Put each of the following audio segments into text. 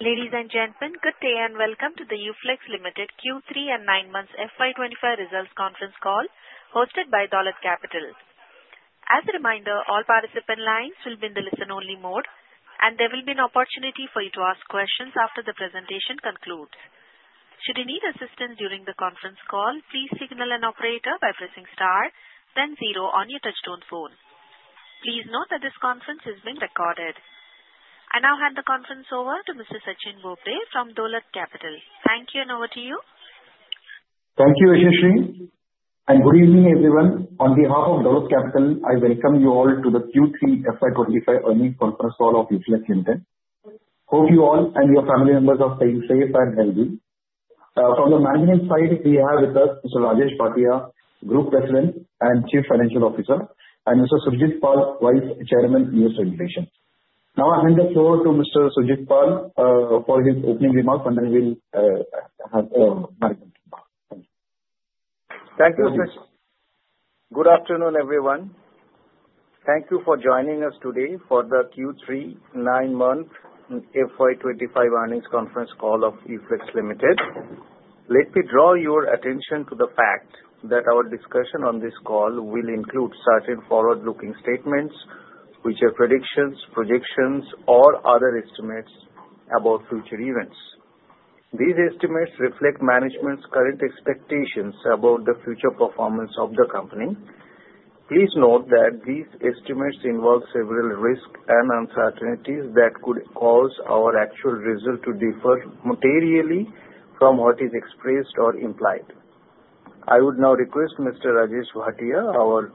Ladies and gentlemen, good day and welcome to the UFlex Limited Q3 and nine months FY twenty twenty five Results Conference Call hosted by Dollard Capital. As a reminder, all participant lines will be in the listen only mode and Please note that this conference is being recorded. I now hand the conference over to Mr. Sachin Gopey from Dholat Capital. Thank you and over to you. Thank you, Ashishree, and good evening everyone. On behalf of Dholat Capital, I welcome you all to the Q3 FY twenty twenty five earnings conference call of Influx Limited. Hope you all and your family members of the UFACT held me. From the management side, we have with us Mr. Rajesh Bhatia, Group President and Chief Financial Officer and Mr. Sujit Pal, Vice Chairman, Investor Relations. Now I hand the floor to Mr. Sujit Parr for his opening remarks and then he will have a mic. Thank you, Sujit. Good afternoon, everyone. Thank you for joining us today for the Q3 nine month FY 'twenty '5 earnings conference call of UFlex Limited. Let me draw your attention to the fact that our discussion on this call will include certain forward looking statements, which are predictions, projections or other estimates about future events. These estimates reflect management's current expectations about the future performance of the company. Please note that these estimates involve several risks and uncertainties that could cause our actual results to differ materially from what is expressed or implied. I would now request Mr. Rajesh Wathia, our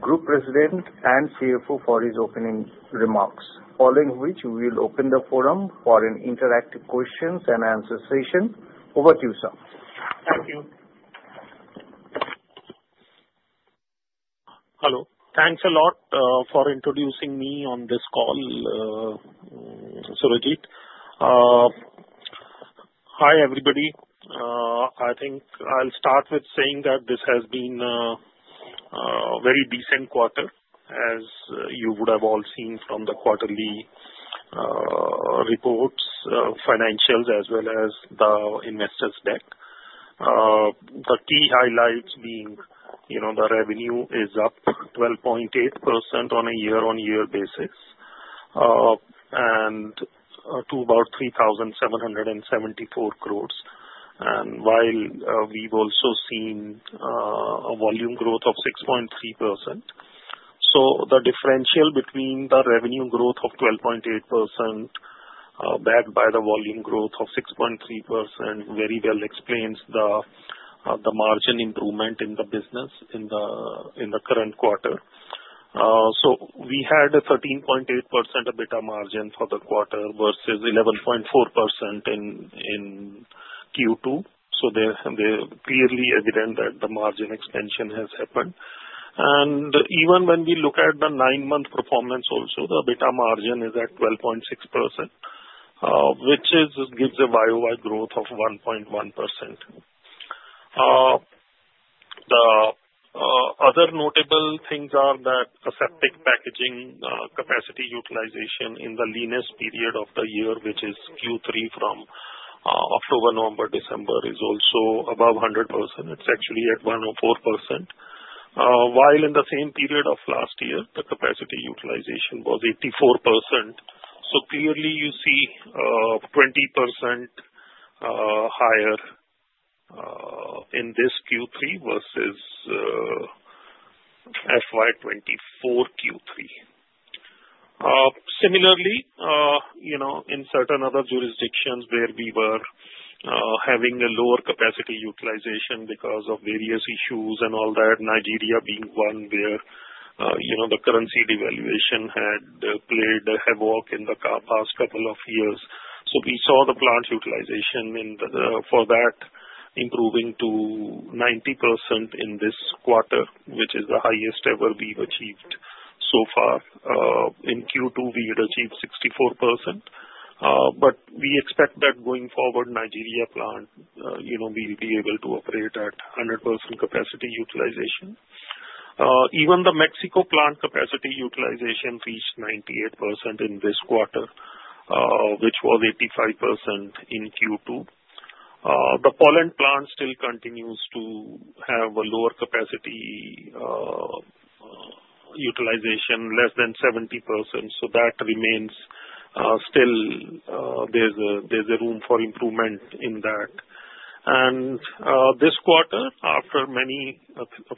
Group President and CFO, for his opening remarks. Following which, we will open the forum for an interactive questions and answer session. Over to you, sir. Thank you. Hello. Thanks a lot for introducing me on this call, Surajit. Hi, everybody. I think I'll start with saying that this has been a very decent quarter as you would have all seen from the quarterly reports, financials as well as the investor's deck. The key highlights being the revenue is up 12.8% on a year on year basis and to about 3,774 crores and while we've also seen a volume growth of 6.3%. So the differential between the revenue growth of 12.8% backed by the volume growth of 6.3% very well explains the margin improvement in the business in the current quarter. So we had a 13.8% EBITDA margin for the quarter versus 11.4% in Q2. So they're clearly evident that the margin expansion has happened. And even when we look at the nine month performance also, the EBITDA margin is at 12.6%, which is gives a Y o Y growth of 1.1%. The other notable things are that aseptic packaging capacity utilization in the leanest period of the year, which is Q3 from October, November, December is also above 100%. It's actually at 104%. While in the same period of last year, the capacity utilization was 84%. So clearly, you see 20% higher in this Q3 versus FY twenty twenty four Q3. Similarly, in certain other jurisdictions where we were having a lower capacity utilization because of various issues and all that, Nigeria being one where the currency devaluation had played havoc in the past couple of years. So we saw the plant utilization for that improving to 90% in this quarter, which is the highest ever we've achieved so far. In Q2, we had achieved 64%, but we expect that going forward, Nigeria plant, we'll be able to operate at 100% capacity utilization. Even the Mexico plant capacity utilization reached 98% in this quarter, which was 85% in Q2. The pollen plant still continues to have a lower capacity utilization less than 70%, so that remains still there's a room for improvement in that. And this quarter, after many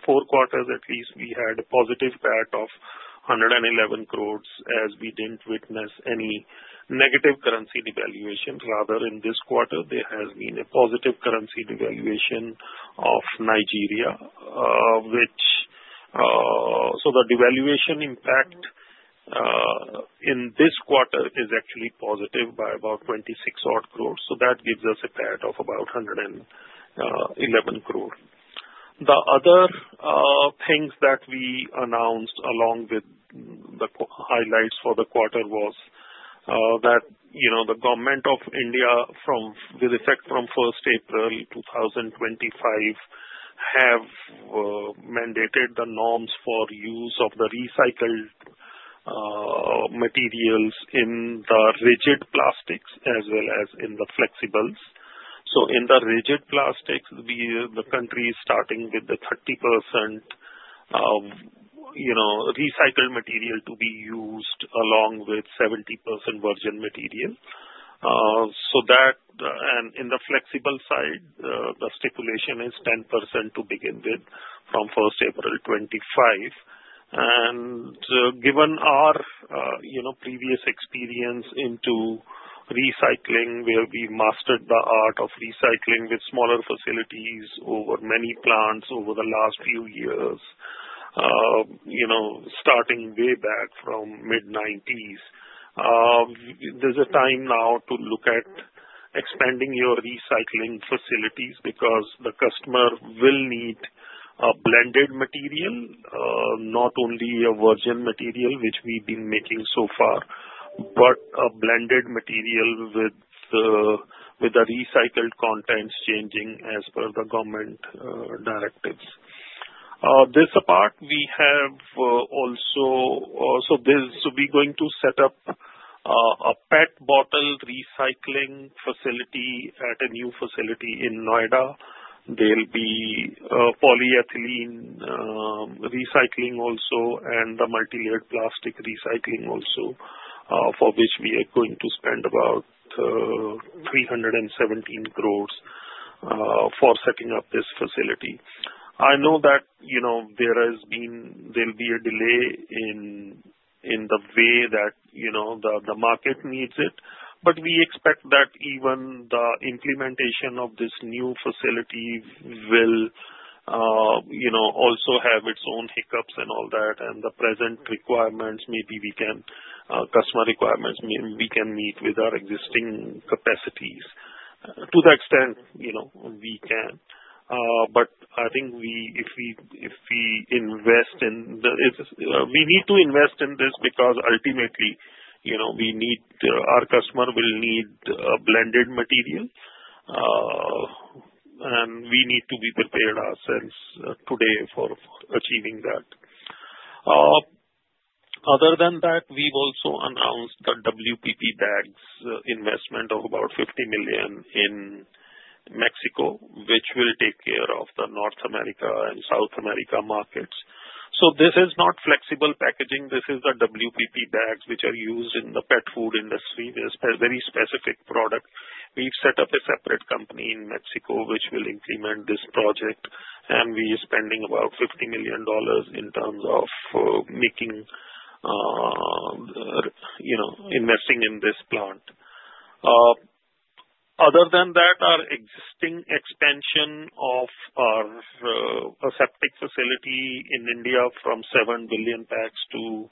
four quarters at least, we had a positive PAT of 111 crores as we didn't witness any negative currency devaluation. Rather in this quarter, there has been a positive currency devaluation of Nigeria, which so the devaluation impact in this quarter is actually positive by about 26 odd crores. So that gives us a PAT of about 111 crores. The other things that we announced along with the highlights for the quarter was that the Government of India from with effect from first April twenty twenty five have mandated the norms for use of the recycled materials in the rigid plastics as well as in the flexibles. So in the rigid plastics, the country is starting with the 30 recycled material to be used along with 70% virgin material. So that and in the flexible side, the stipulation is 10% to begin with from first April twenty twenty five. And given our previous experience into recycling, we have mastered the art of recycling with smaller facilities over many plants over the last few years, starting way back from mid-90s. There's a time now to look at expanding your recycling facilities because the customer will need a blended material, not only a virgin material, which we've been making so far, but a blended material with the recycled contents changing as per the government directives. This part, we have also so we're going to set up a pet bottle recycling facility at a new facility in Noida. There will be polyethylene recycling also and the multi layered plastic recycling also for which we are going to spend about INR $3.17 crores for setting up this facility. I know that there has been there will be a delay in the way that the market needs it. But we expect that even the implementation of this new facility will also have its own hiccups and all that and the present requirements maybe we can customer requirements, we can meet with our existing capacities. To that extent, we can. But I think we, if we invest in we need to invest in this because ultimately, we need, our customer will need blended material and we need to be prepared ourselves today for achieving that. Other than that, we've also announced the WPP bags investment of about $50,000,000 in Mexico, which will take care of the North America and South America markets. So this is not flexible packaging. This is the WPP bags, which are used in the pet food industry. It's a very specific product. We've set up a separate company in Mexico, which will increment this project and we are spending about $50,000,000 in terms of making, investing in this plant. Other than that, our existing expansion of our perseptic facility in India from 7,000,000,000 packs to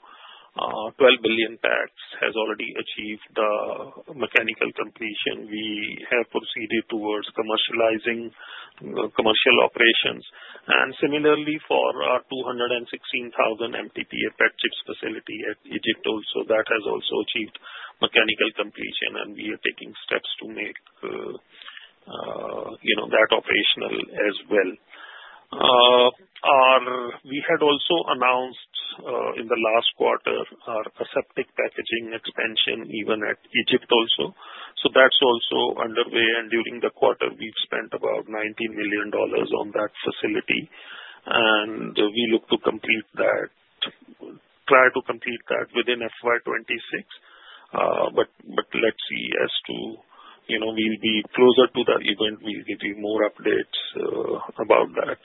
12,000,000,000 packs has already achieved mechanical completion. We have proceeded towards commercializing commercial operations. And similarly for our 216,000 MTTF pet chips facility at Egypt also, that has also achieved mechanical completion and we are taking steps to make that operational as well. We had also announced in the last quarter our aseptic packaging expansion even at Egypt also. So that's also underway. And during the quarter, we've spent about $19,000,000 on that facility. And we look to complete that try to complete that within FY 'twenty six. But let's see as to we'll be closer to that event. We'll give you more updates about that.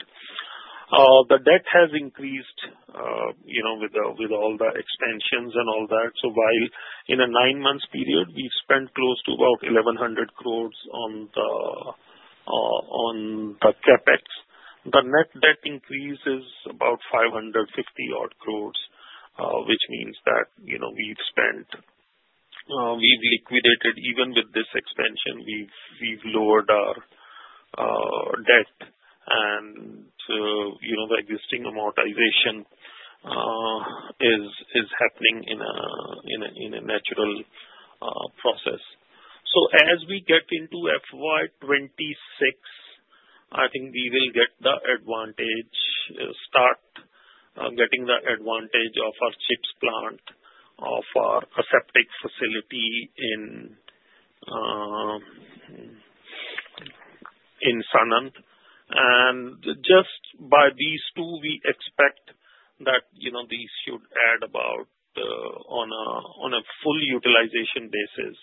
The debt has increased with all the extensions and all that. So while in a nine months period, we've spent close to about 1,100 crores on the CapEx, The net debt increase is about 550 crores, which means that we've spent, we've liquidated even with this expansion, we've lowered our debt and the existing amortization is happening in a natural process. So as we get into FY 'twenty six, I think we will get the advantage, start getting the advantage of our chips plant, of our aseptic facility in Sanand. And just by these two, we expect that these should add about on a full utilization basis.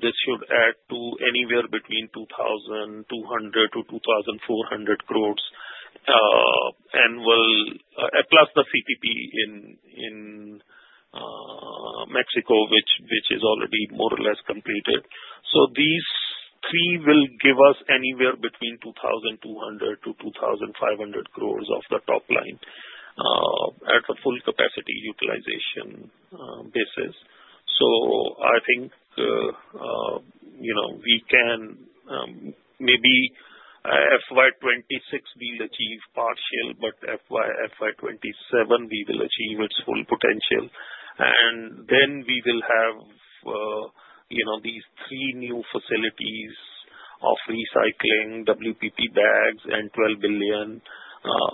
This should add to anywhere between 2,200 to 2,400 crores and will, plus the CPP in Mexico, which is already more or less completed. So these three will give us anywhere between 2,200 to 2,500 crores of the top line at a full capacity utilization basis. So I think we can maybe FY 'twenty six we'll achieve partial, but FY 'twenty seven we will achieve its full potential. And then we will have these three new facilities of recycling WPP bags and 12,000,000,000,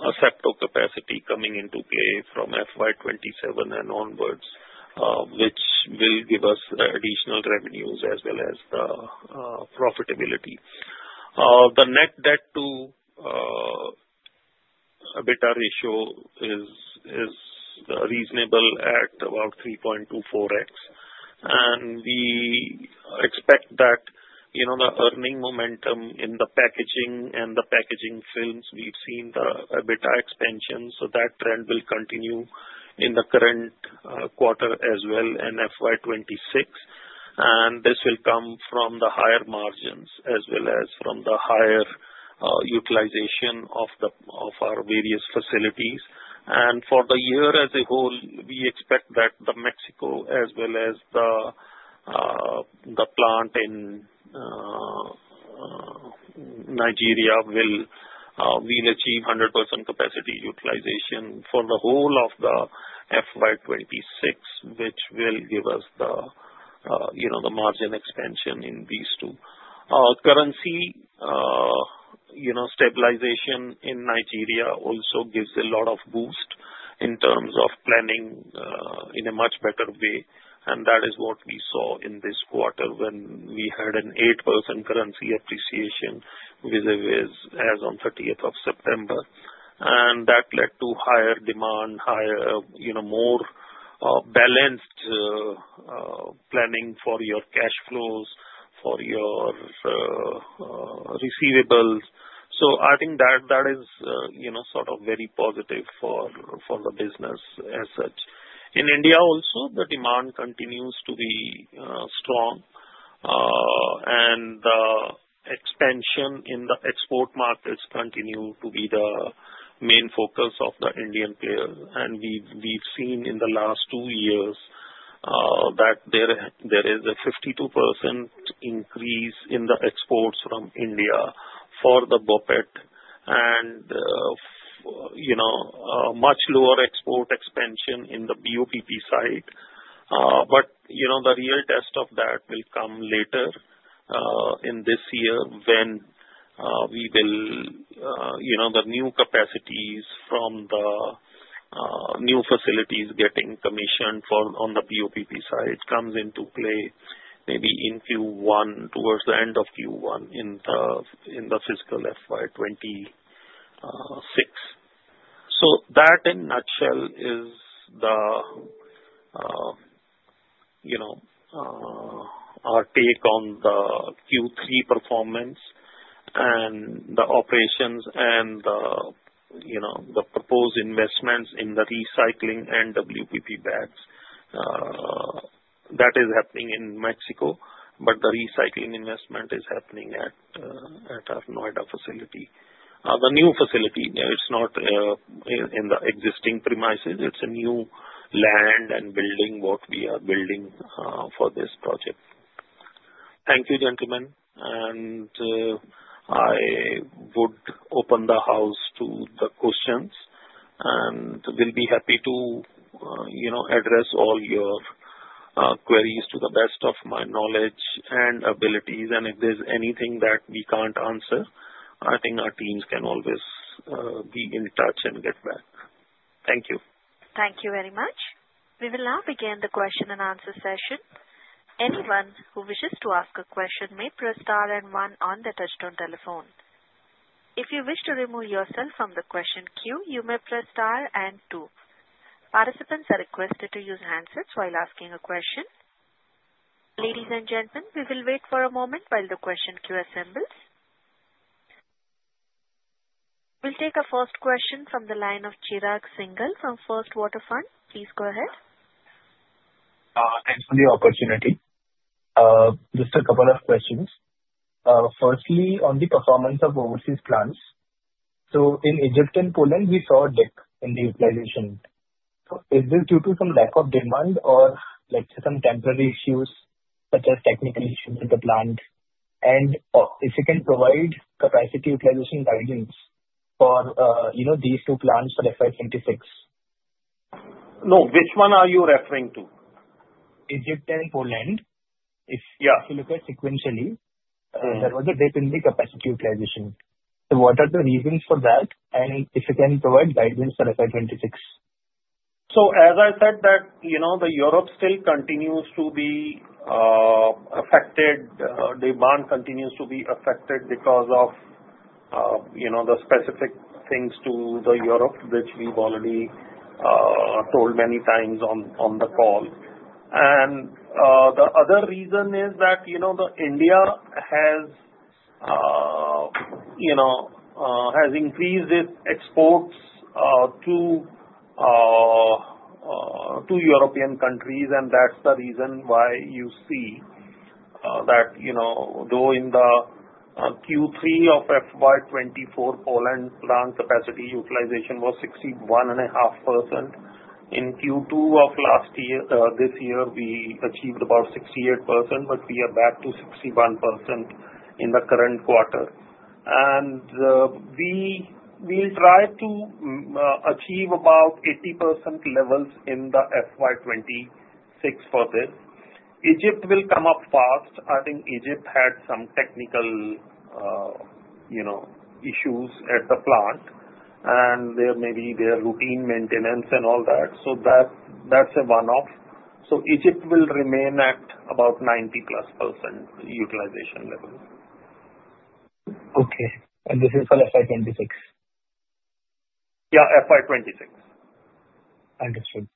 a sector of capacity coming into play from FY 'twenty seven and onwards, which will give us additional revenues as well as the profitability. The net debt to EBITDA ratio is reasonable at about 3.24x. And we expect that the earning momentum in the packaging and the packaging films, we've seen the EBITDA expansion. So that trend will continue in the current quarter as well in FY 'twenty six. And this will come from the higher margins as well as from the higher utilization of our various facilities. And for the year as a whole, we expect that the Mexico as well as the plant in Nigeria will achieve 100% capacity utilization for the whole of the FY 'twenty six, which will give us the margin expansion in these two. Currency stabilization in Nigeria also gives a lot of boost in terms of planning in a much better way. And that is what we saw in this quarter when we had an 8% currency appreciation vis a vis as on September 30. And that led to higher demand, higher more balanced planning for your cash flows, for your receivables. So I think that is sort of very positive for the business as such. In India also, the demand continues to be strong and expansion in the export markets continue to be the main focus of the Indian player. And we've seen in the last two years that there is a 52% increase in the exports from India for the BOPP and much lower export expansion in the BOPP side. But the real test of that will come later in this year when we will the new capacities from the new facilities getting commissioned on the BOPP side comes into play maybe in Q1, towards the end of Q1 in the fiscal FY 'twenty six. So that in nutshell is the our take on the Q3 performance and the operations and the proposed investments in the recycling and WPP bags, that is happening in Mexico, but the recycling investment is happening at our Noida facility. The new facility, it's not in the existing premises. It's a new land and building what we are building for this project. Thank you, gentlemen. And I would open the house to the questions and will be happy to address all your queries to the best of my knowledge and abilities. And if there's anything that we can't answer, I think our teams can always be in touch and get back. Thank you. Thank you very much. We will now begin the question and answer We'll take our first question from the line of Chirag Singhal from First Waterfront. Please go ahead. Thanks for the opportunity. Just a couple of questions. Firstly, on the performance of overseas plants. So in Egypt and Poland, we saw a dip in the utilization. So, is this due to some lack of demand or like some temporary issues such as technical issues in the plant? And if you can provide capacity utilization guidance for these two plants for FY twenty six? No. Which one are you referring to? Egypt and Poland. If you look at sequentially, there was a definite capacity utilization. So what are the reasons for that? And if you can provide guidance for FY26? So as I said that the Europe still continues to be affected, the bond continues to be affected because of the specific things to the Europe, which we've already told many times on the call. And the other reason is that the India has increased its exports to European countries. And that's the reason why you see that though in the Q3 of FY 'twenty four Poland plant capacity utilization was 61.5. In Q2 of last year this year, we achieved about 68%, but we are back to 61% in the current quarter. And we will try to achieve about 80% levels in the FY 'twenty six for this. Egypt will come up fast. I think Egypt had some technical issues at the plant and there may be their routine maintenance and all that. So that's a one off. So Egypt will remain at about 90 plus percent utilization levels. Okay. And this is for FY 'twenty six? Yes, FY 'twenty six. Understood.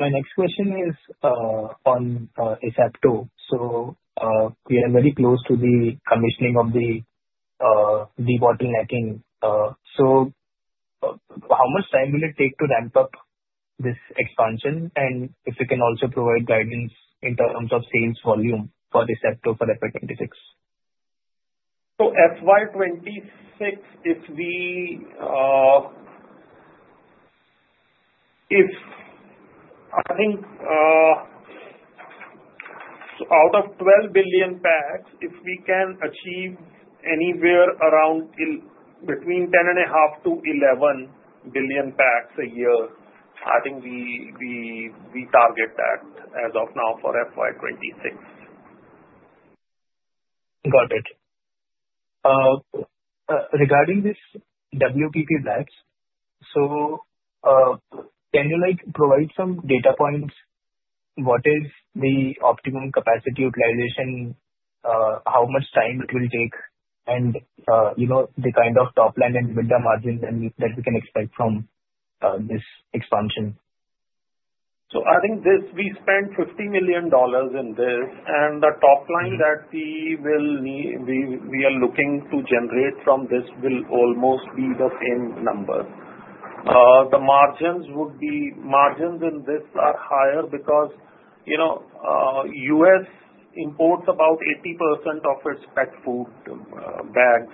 My next question is on ACEPTO. So we are very close to the commissioning of the debottlenecking. So how much time will it take to ramp up this expansion? And if you can also provide guidance in terms of sales volume for this sector for FY 2026? So FY 2026, if we, I think out of 12,000,000,000 packs, if we can achieve anywhere around between 10,500,000,000 to 11,000,000,000 packs a year, I think we target that as of now for FY 'twenty six. Got it. Regarding this WPP Labs, so can you like provide some data points? What is the optimum capacity utilization? How much time it will take? And the kind of top line and EBITDA margins that we can expect from this expansion? So I think this we spent $50,000,000 in this. And the top line that we will need we are looking to generate from this will almost be the same number. The margins would be margins in this are higher because U. S. Imports about 80% of its pet food bags,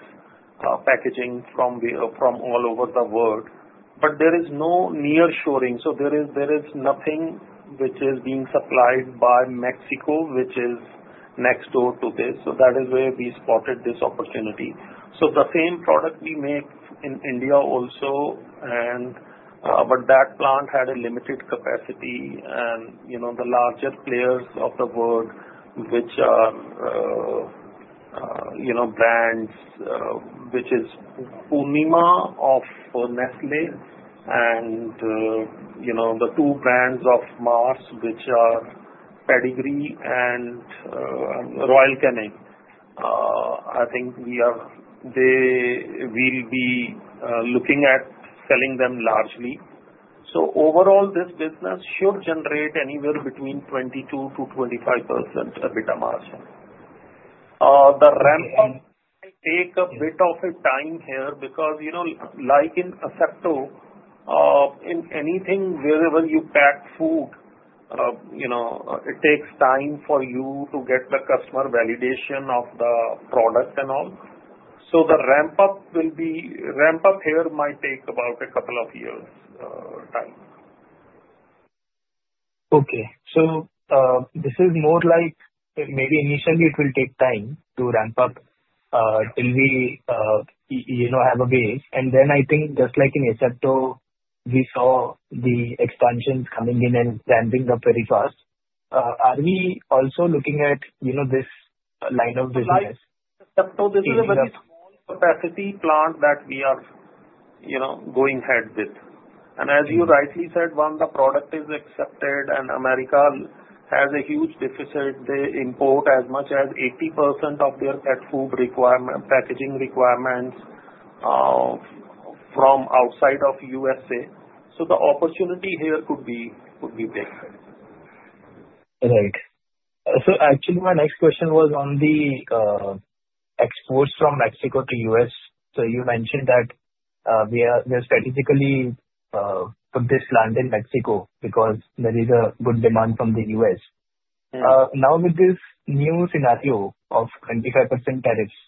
packaging from all over the world. But there is no near shoring. So there is nothing which is being supplied by Mexico, which is next door to this. So that is where we spotted this opportunity. So the same product we make in India also, and but that plant had a limited capacity. And the larger players of the world, which brands, which is Unima of Nestle and the two brands of Mars, which are Pedigree and Royal Canning, I think we are they we'll be looking at selling them largely. So overall, this business should generate anywhere between 22% to 25% EBITDA margin. The ramping will take a bit of a time here because like in Asepto, in anything wherever you pack food, it takes time for you to get the customer validation of the product and all. So the ramp up will be ramp up here might take about a couple of years time. Okay. So this is more like maybe initially it will take time to ramp up till we have a base. And then I think just like in Exacto, we saw the expansions coming in and standing up very fast. Are we also looking at this line of business? Asepto, this is a very small capacity plant that we are going ahead with. And as you rightly said, one, the product is accepted and America has a huge deficit. They import as much as 80% of their pet food requirement packaging requirements from outside of USA. So the opportunity here could be big. So actually my next question was on the exports from Mexico to U. S. So you mentioned that we are we are we are we are statistically put this land in Mexico because there is a good demand from The U. S. Now with this new scenario of twenty five percent tariffs,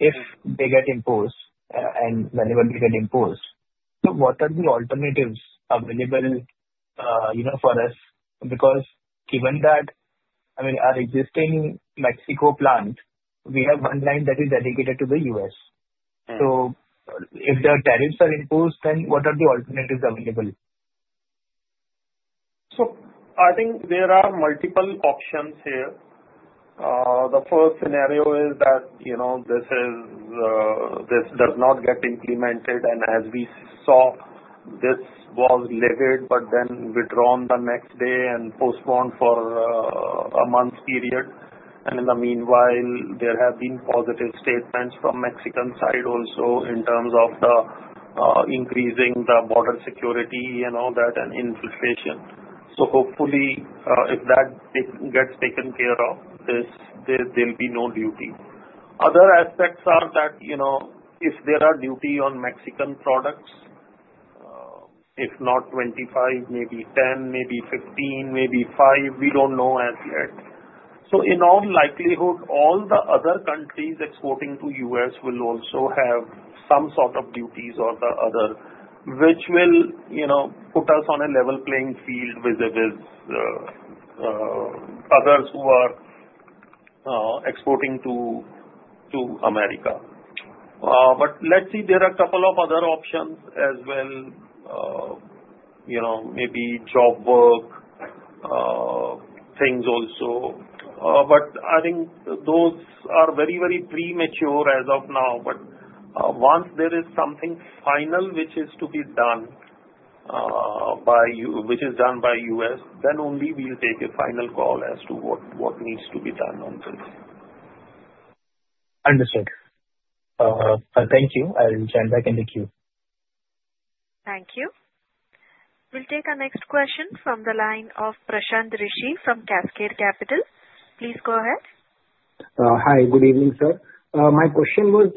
if they get imposed and whenever they get imposed. So what are the alternatives available for us? Because given that, I mean, our existing Mexico plant, we have one line that is dedicated to The U. S. So if the tariffs are imposed, then what are the alternatives available? So I think there are multiple options here. The first scenario is that this is this does not get implemented. And as we saw, this was levered, but then withdrawn the next day and postponed for a month period. And in the meanwhile, there have been positive statements from Mexican side also in terms of the increasing the border security and all that and infiltration. So hopefully, if that gets taken care of, there will be no duty. Other aspects are that if there are duty on Mexican products, if not 25, maybe 10, maybe 15, maybe five, we don't know as yet. So in all likelihood, all the other countries exporting to U. S. Will also have some sort of duties or the other, which will put us on a level playing field with others who are exporting to America. But let's see, there are couple of other options as well, maybe job work things also. But I think those are very, very premature as of now. But once there is something final, which is to be done by which is done by U. S, then only we will take a final call as to what needs to be done on things. Understood. Thank you. I'll turn back in the queue. Thank you. We'll take our next question from the line of Prashant Rishi from Cascade Capital. Please go ahead. Hi, good evening, sir. My question was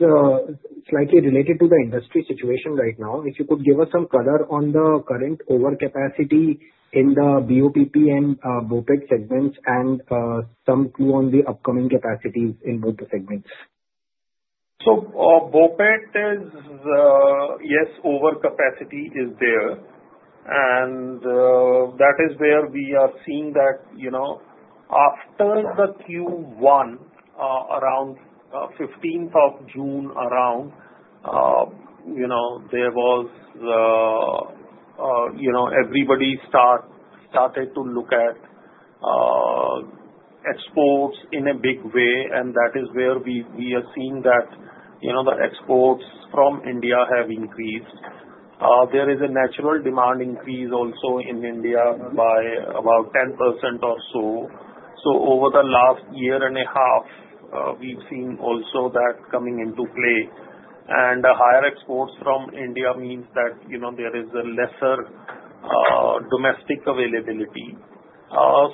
slightly related to the industry situation right now. If you could give us some color on the current overcapacity in the BOPP and BOPP segment and some Q on the upcoming capacities in both segments? So, Bobette is, yes, overcapacity is there. And that is where we are seeing that after the Q1, around June 15 around, there was everybody started to look at exports in a big way and that is where we are seeing that the exports from India have increased. There is a natural demand increase also in India by about 10% or so. So over the last year and a half, we've seen also that coming into play. And higher exports from India means that there is a lesser domestic availability.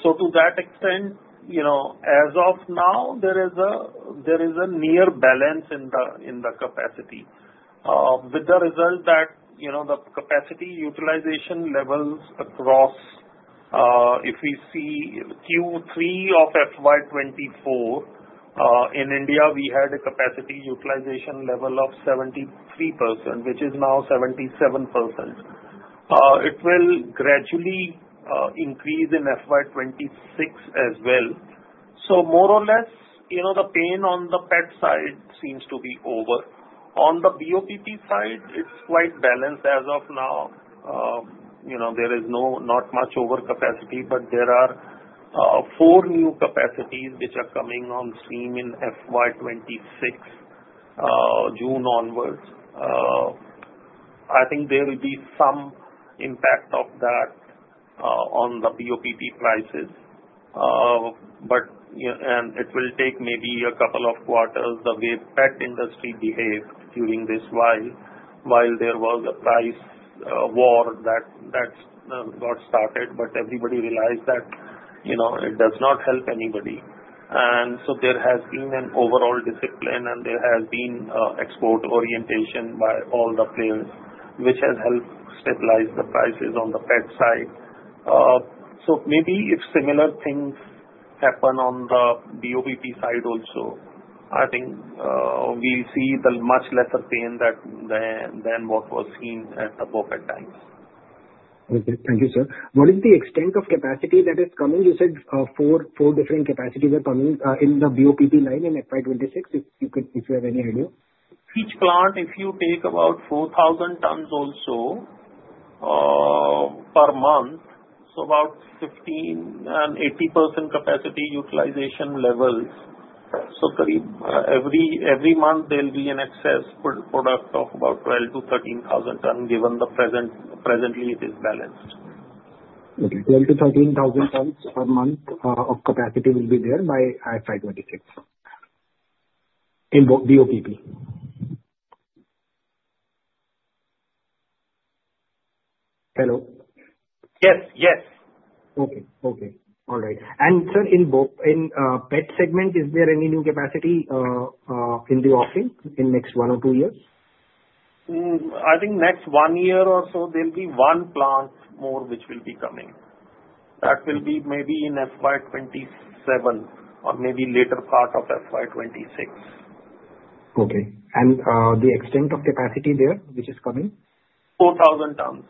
So to that extent, as of now, there is a near balance in the capacity with the result that the capacity utilization levels across, if we see Q3 of FY 'twenty four, in India, we had a capacity utilization level of 73%, which is now 77%. It will gradually increase in FY 'twenty '6 as well. So more or less, the pain on the pet side seems to be over. On the BOPP side, it's quite balanced as of now. There is no not much overcapacity, but there are four new capacities which are coming on stream in FY 'twenty six, June onwards. I think there will be some impact of that on the BOPP prices. But and it will take maybe a couple of quarters, the way pet industry behaved during this while there was a price war that got started, but everybody realized that it does not help anybody. And so there has been an overall discipline and there has been export orientation by all the players, which has helped stabilize the prices on the pet side. So maybe if similar things happen on the DOVP side also, I think we see the much lesser pain than what was seen at the both at times. Okay. What is the extent of capacity that is coming? You said four different capacities are coming in the BOPP nine in FY '26, if you have any idea? Each plant, if you take about 4,000 tons also per month, so about 1580% capacity utilization levels. So every month, there will be an excess product of about 12,000 to 13,000 tonnes given the present release is balanced. Okay. 12,000 to 13,000 tonnes per month of capacity will be there by 05/26 in the OPP. Hello? Yes. Okay. All right. And sir, in Pet segment, is there any new capacity in the offering in next one or two years? I think next one year or so, there will be one plant more which will be coming. That will be maybe in FY 'twenty seven or maybe later part of FY 'twenty six. Okay. And the extent of capacity there which is coming? 4,000 tonnes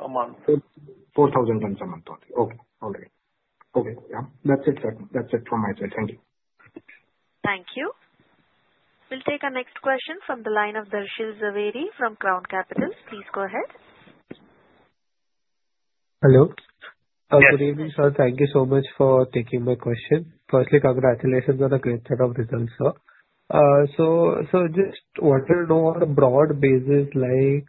a month. 4,000 tonnes a month. Okay. Okay. Yes. That's it, sir. That's it from my side. Thank you. Thank you. We'll take our next question from the line of Darshil Zaveri from Crown Capital. Please go ahead. Hello. Good evening, sir. Thank you so much for taking my question. So just wanted on a broad basis like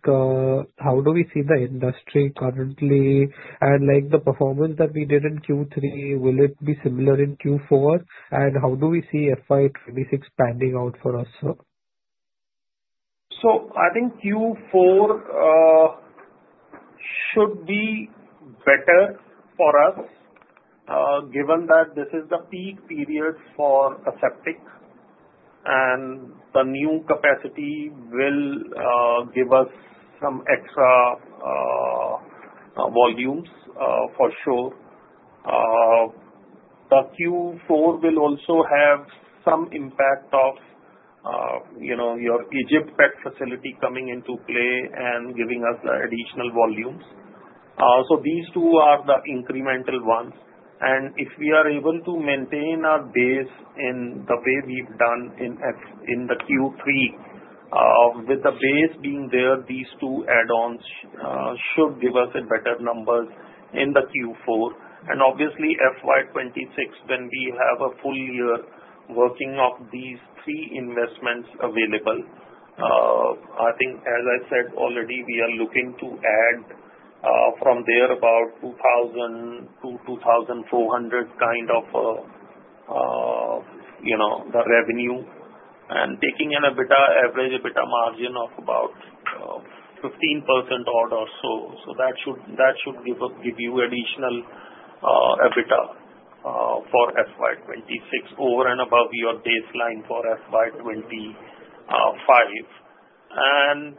how do we see the industry currently and like the performance that we did in Q3, will it be similar in Q4 And how do we see FY 'twenty six expanding out for us, sir? So I think Q4 should be better for us given that this is the peak period for aseptic and the new capacity will give us some extra volumes for sure. The Q4 will also have some impact of your Egypt pet facility coming into play and giving us additional volumes. So these two are the incremental ones. And if we are able to maintain our base in the way we've done in the Q3, with the base being there, these two add ons should give us a better number in the Q4. And obviously FY 'twenty six when we have a full year working off these three investments available, I think as I said already, we are looking to add from there about 2,000 to 2,400 kind of the revenue. And taking an EBITDA, average EBITDA margin of about 15% or so. So that should give you additional EBITDA for FY 'twenty six over and above your baseline for FY 'twenty five. And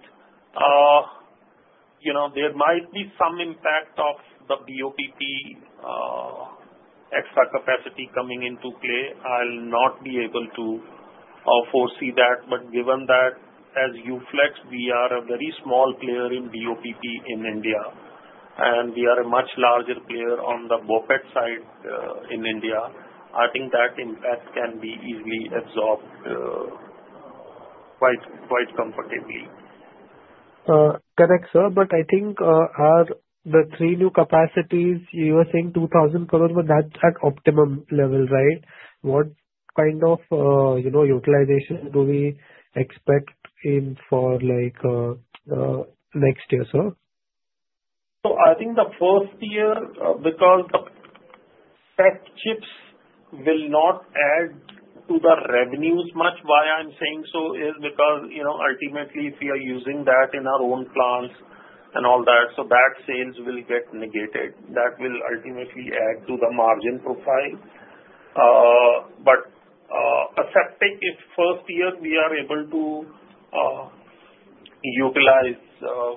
there might be some impact of the BOPP extra capacity coming into play. I'll not be able to foresee that. But given that as U Flex, we are a very small player in DOPP in India, and we are a much larger player on the BOPET side in India. I think that impact can be easily absorbed quite comfortably. Correct, sir. But I think the three new capacities, you were saying 2,000 colons were not at optimum level, right? What kind of utilization do we expect in for like next year, sir? So I think the first year, because the PAC chips will not add to the revenues much. Why I'm saying so is because ultimately if we are using that in our own plants and all that, so that sales will get negated. That will ultimately add to the margin profile. But accepting if first year we are able to utilize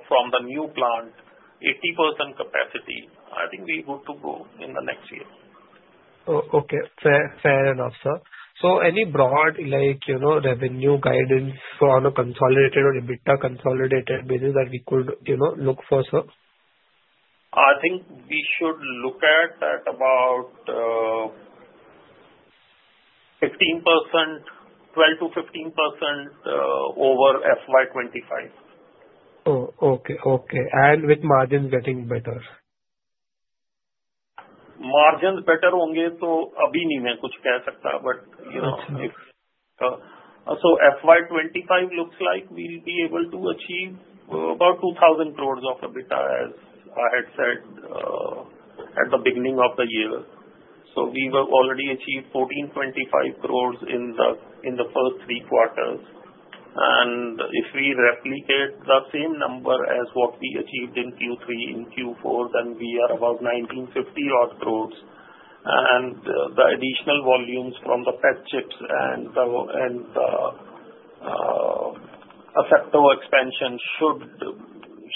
from the new plant 80% capacity, I think we're good to go in the next year. Okay. Fair enough, sir. So any broad, like revenue guidance on a consolidated or EBITDA consolidated business that we could look for, sir? I think we should look at about 1512% to 15% over FY 'twenty five. Okay. And with margins getting better? Margins better only, so, but if so FY 'twenty five looks like we'll be able to achieve about 2,000 crores of EBITDA as I had said at the beginning of the year. So we have already achieved $14.25 crores in the first three quarters. And if we replicate the same number as what we achieved in Q3 and Q4, then we are above $19.50 odd crores. And the additional volumes from the pet chips and the effect of expansion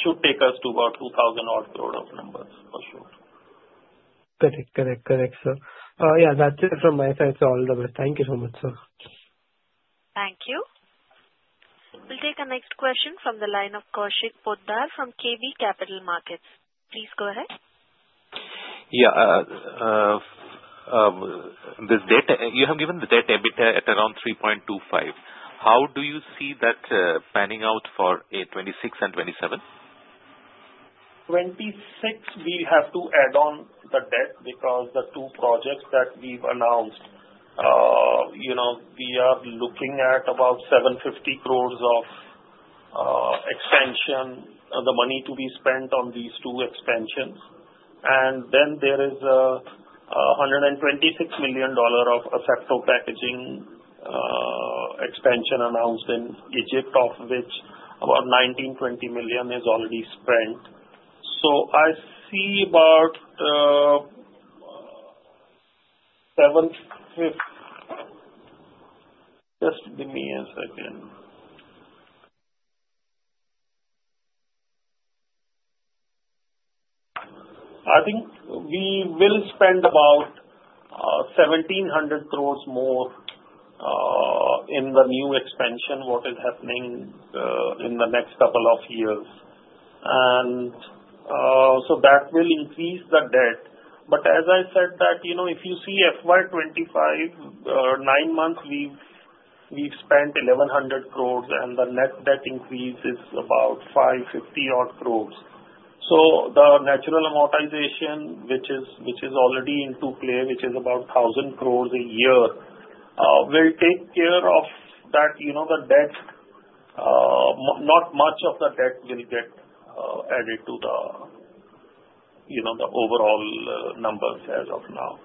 should take us to about 2,000 odd order numbers for sure. We'll take our next question from the line of Kaushik Poddar from KB Capital Markets. Yes. This data you have given the debt EBITDA at around 3.25. How do you see that panning out for '26 and '27? 'twenty six, we have to add on the debt because the two projects that we've announced, we are looking at about INR $7.50 crores of expansion, the money to be spent on these two expansions. And then there is $126,000,000 of Asepto packaging expansion announced in Egypt, of which about $19,000,000 20 million dollars is already spent. So I see about seven, just give me a second. I think we will spend about 1,700 crores more in the new expansion, what is happening in the next couple of years. And so that will increase the debt. But as I said that, if you see FY 'twenty five or nine months, we've spent 1,100 crores and the net debt increase is about INR $5.50 crores. So the natural amortization, which is already into play, which is about 1,000 crores a year, will take care of that the debt not much of the debt will get added to the overall numbers as of now.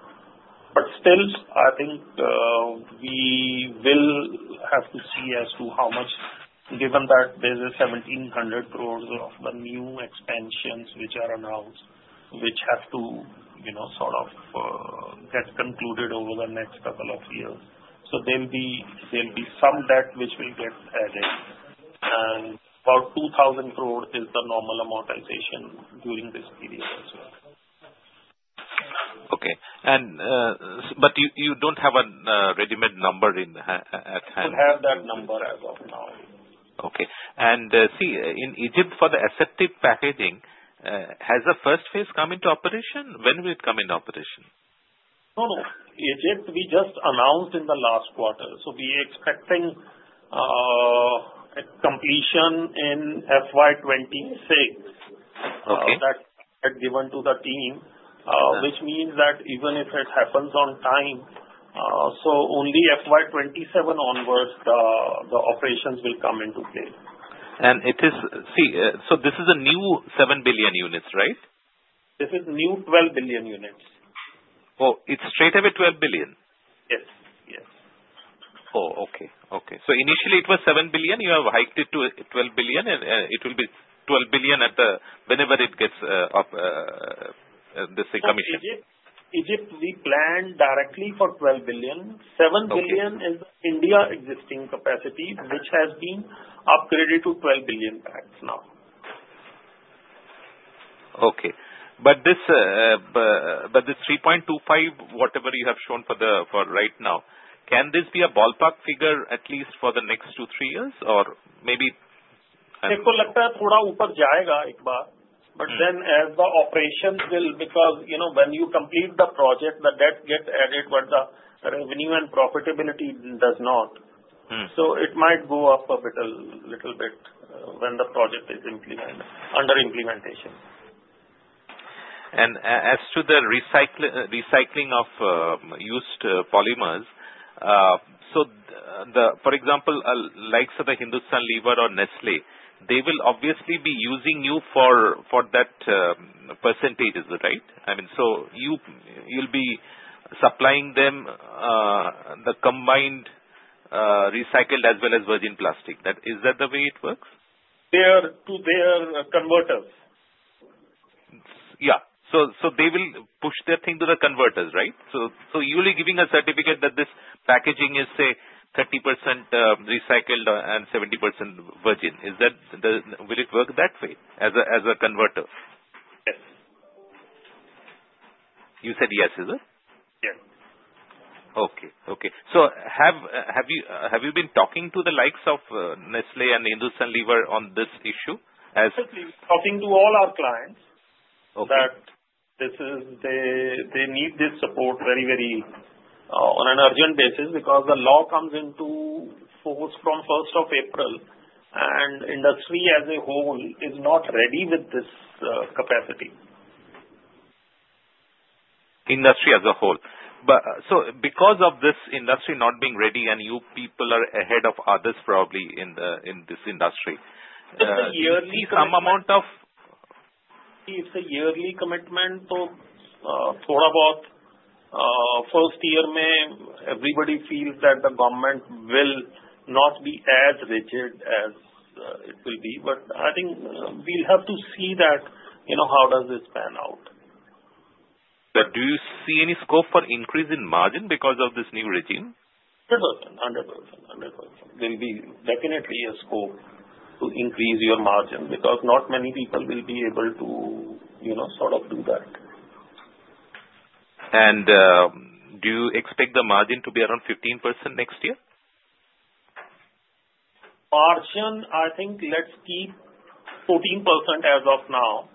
But still, I think we will have to see as to how much given that there's a 1,700 crores of the new expansions which are announced, which have to sort of get concluded over the next couple of years. So there will be some debt which will get added. And about 2,000 crores is the normal amortization during this period as as well. Okay. And, but you don't have a ready made number in at hand? We have that number as of now. Okay. And see, in Egypt for the effective packaging, has the first phase come into operation? When will it come into operation? No, no. Egypt, we just announced in the last quarter. So we're expecting a completion in FY 'twenty six that had given to the team, which means that even if it happens on time, so only FY 'twenty seven onwards, the operations will come into play. And it is see, so this is a new 7,000,000,000 units, right? This is new 12,000,000,000 units. Oh, it's straight away 12,000,000,000? Yes. Oh, okay. Okay. So initially, it was 7,000,000,000. You have hiked it to 12,000,000,000, and it will be $12,000,000,000 at the whenever it gets up this commission? Egypt, we planned directly for $12,000,000,000 7 billion dollars is India existing capacity, which has been upgraded to 12,000,000,000 bags now. Okay. But this 3.25, whatever you have shown for the for right now, can this be a ballpark figure at least for the next two, three years or maybe But then as the operations will because when you complete the project, the debt gets added but the revenue and profitability does not. So it might go up a little bit when the project is implemented under implementation. And as to the recycling of used polymers, so for example, likes of the Hindustan Lever or Nestle, they will obviously be using you for that percentage, is that right? I mean, so you'll be supplying them the combined recycled as well as virgin plastic. Is that the way it works? They are to their converters. Yes. So they will push their thing to the converters, right? So you will be giving a certificate that this packaging is, say, 30% recycled and 70% virgin. Is that the will it work that way as a converter? Yes. You said yes, is it? Yes. Okay, okay. So have you been talking to the likes of Nestle and Hindustan Lever on this issue as Talking to all our clients that this is, they need this support very, very on an urgent basis because the law comes into force from April 1. And industry as a whole is not ready with this capacity. Industry as a whole. So because of this industry not being ready and you people are ahead of others probably in this industry. It's a yearly commitment to thought about first year, everybody feels that the government will not be as rigid as it will be. But I think we'll have to see that how does this pan out. But do you see any scope for increase in margin because of this new regime? 100%, one hundred %. There will be definitely a scope to increase your margin because not many people will be able to sort of do that. And do you expect the margin to be around 15% next year? Margin, I think, let's keep 14% as of now.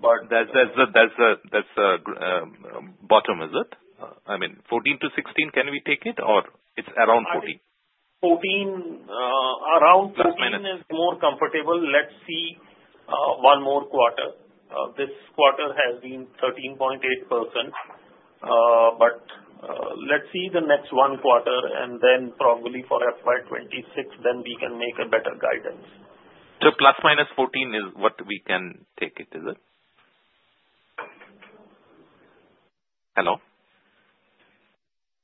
But That's the bottom, is it? I mean, 14% to 16%, can we take it? Or it's around 1414%, around $1,000,000 is more comfortable. Let's see one more quarter. This quarter has been 13.8%. But let's see the next one quarter and then probably for FY 'twenty six, then we can make a better guidance. So plus minus 14% is what we can take it, is it? Hello?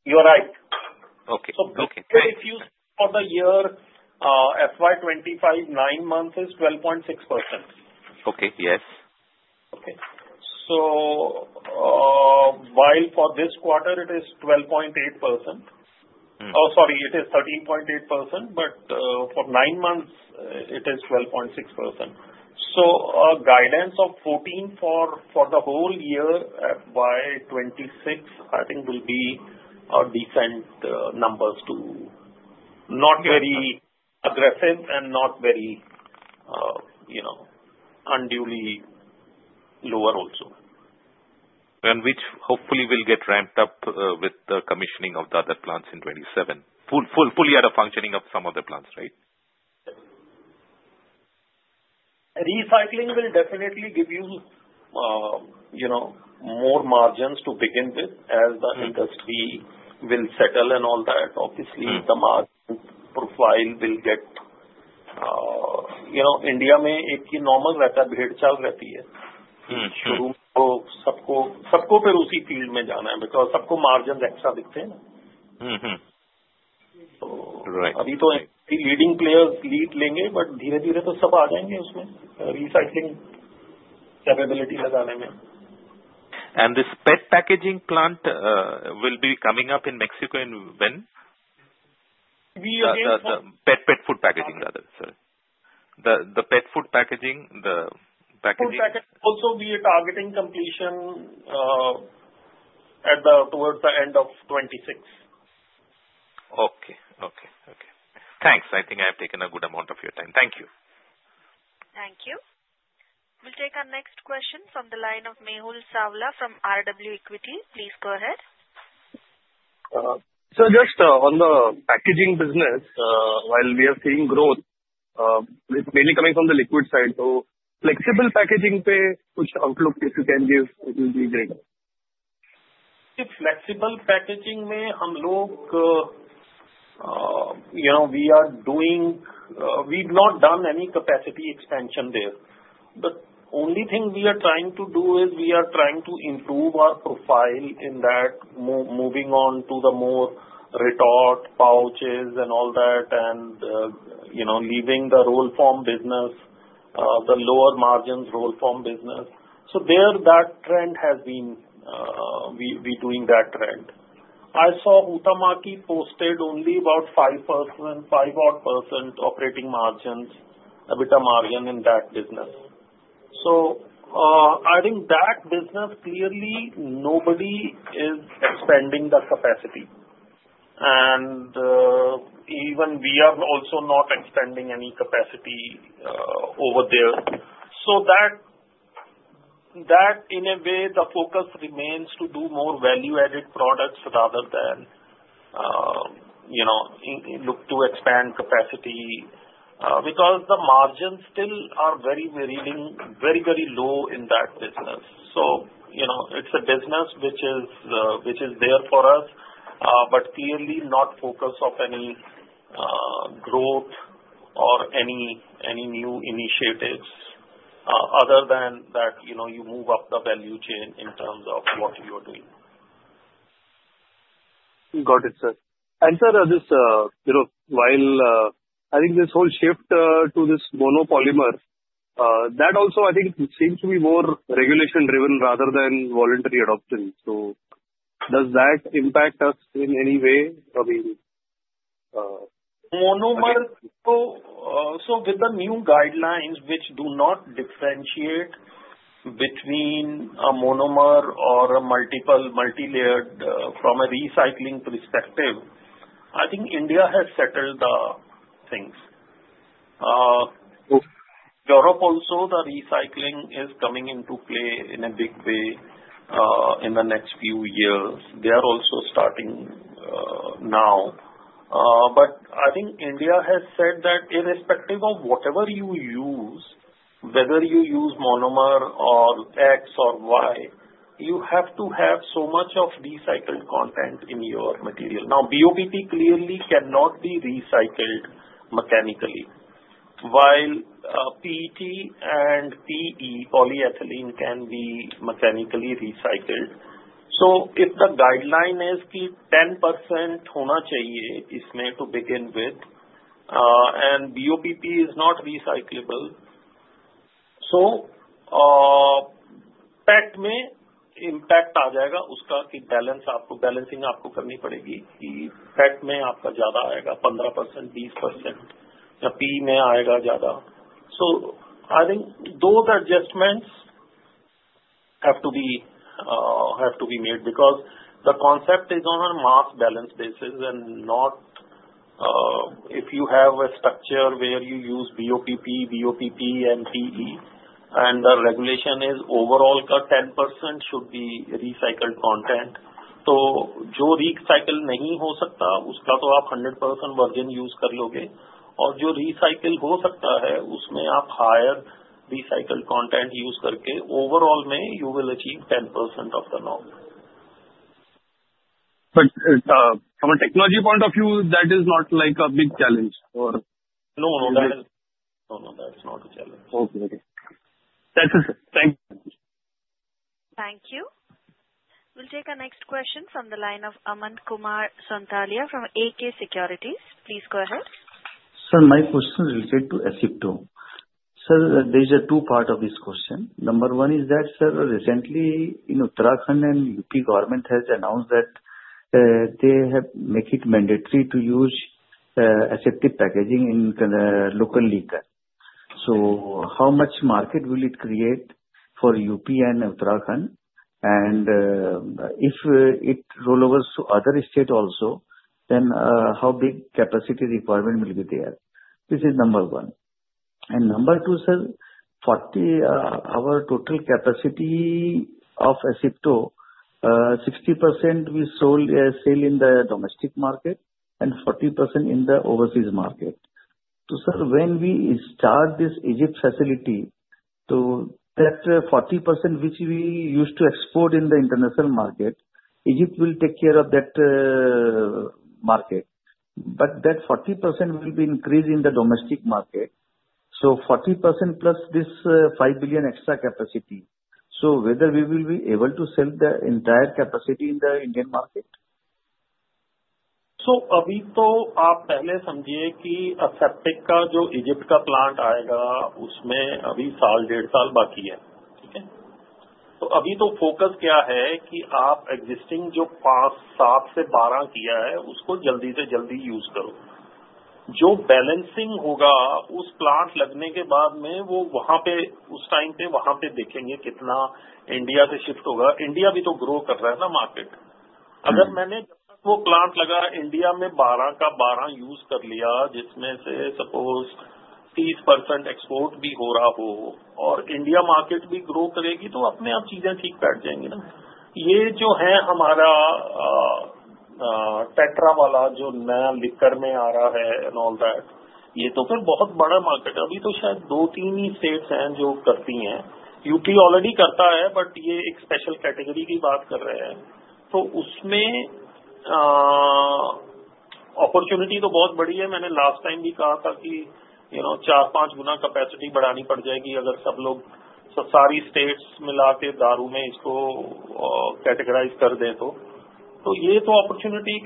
You're right. Okay. Okay. So if you see on the year, FY 'twenty five, nine months is 12.6%. Okay. Yes. Okay. So while for this quarter, it is 12.8% Sorry, it is 13.8%, but for nine months, it is 12.6%. So our guidance of 14% for the whole year by 'twenty six I think will be our decent numbers to not very aggressive and not very unduly lower also. And which hopefully will get ramped up with the commissioning of the other plants in 'twenty seven, fully out of functioning of some other plants, right? Recycling will definitely give you more margins to begin with as the industry will settle and all that. Obviously, the margin profile will get India, it's normal. And this pet packaging plant will be coming up in Mexico and when? We again Pet food packaging rather, sir. The pet food packaging, the packaging? Food packaging also we are targeting completion at the, towards the end of 'twenty six. Okay, okay, okay. Thanks. I think I have taken a good amount of We'll take our next question from the line of Mehul Savala from RW Equity. Please go ahead. So just on the packaging business, while we are seeing growth, it's mainly coming from the liquid side. So flexible packaging pay, which outlook if you can give? Flexible packaging, we are doing, we've not done any capacity expansion there. But only thing we are trying to do is we are trying to improve our profile in that moving on to the more retort, pouches and all that and leaving the roll form business, the lower margins roll form business. So there that trend has been we're doing that trend. I saw Utamaki posted only about 5%, five odd percent operating margins, EBITDA margin in that business. So adding that business, clearly, nobody is expanding the capacity. And even we are also not expanding any capacity over there. So that in a way, the focus remains to do more value added products rather than look to expand capacity because the margins still are very, very low in that business. So it's a business which is there for us, but clearly not focused of any growth or any new initiatives other than that you move up the value chain in terms of what you're doing. Got it, sir. And, sir, while I think this whole shift to this monopolymer, that also I think it seems to be more regulation driven rather than voluntary adoption. So does that impact us in any way? Monomer, So with the new guidelines which do not differentiate between a monomer or a multiple, multilayered from a recycling perspective, I think India has settled things. Europe also, the recycling is coming into play in a big way in the next few years. They are also starting now. But I think India has said that irrespective of whatever you use, whether you use monomer or X or Y, you have to have so much of recycled content in your material. Now BOBT clearly cannot be recycled mechanically, while PET and PE, polyethylene can be mechanically recycled. So if the guideline is 10% to begin with and BOPP is not recyclable, so that may impact balance. So I think those adjustments have to be made because the concept is on a mass balance basis and not if you have a structure where you use BOPP, BOPP and PE And the regulation is overall 10% should be recycled content. So recycle higher recycled content used, overall, you will achieve 10% of the loan. But from a technology point of view, that is not like a big challenge or No, no, that's not a challenge. Thank you. We'll take our next question from the line of Amant Kumar Santalya from AK Securities. Please go ahead. Sir, my question is related to Asypto. So there is a two part of this question. Number one is that, sir, recently, Turkan and UP government has announced that they have make it mandatory to use the Asypto packaging in the local liquor. So how much market will it create for UP and Uttarakhand? And if it rollovers to other state also, then how big capacity requirement will be there? This is number one. And number two, sir, 40 our total capacity of Asypto, sixty percent we sold sell in the domestic market and 40% in the overseas market. So, sir, when we start this Egypt facility to that 40% which we used to export in the international market, Egypt will take care of that market. But that 40% will be increased in the domestic market. So 40% plus this 5,000,000,000 extra capacity. So whether we will be able to sell the entire capacity in the Indian market? So So this opportunity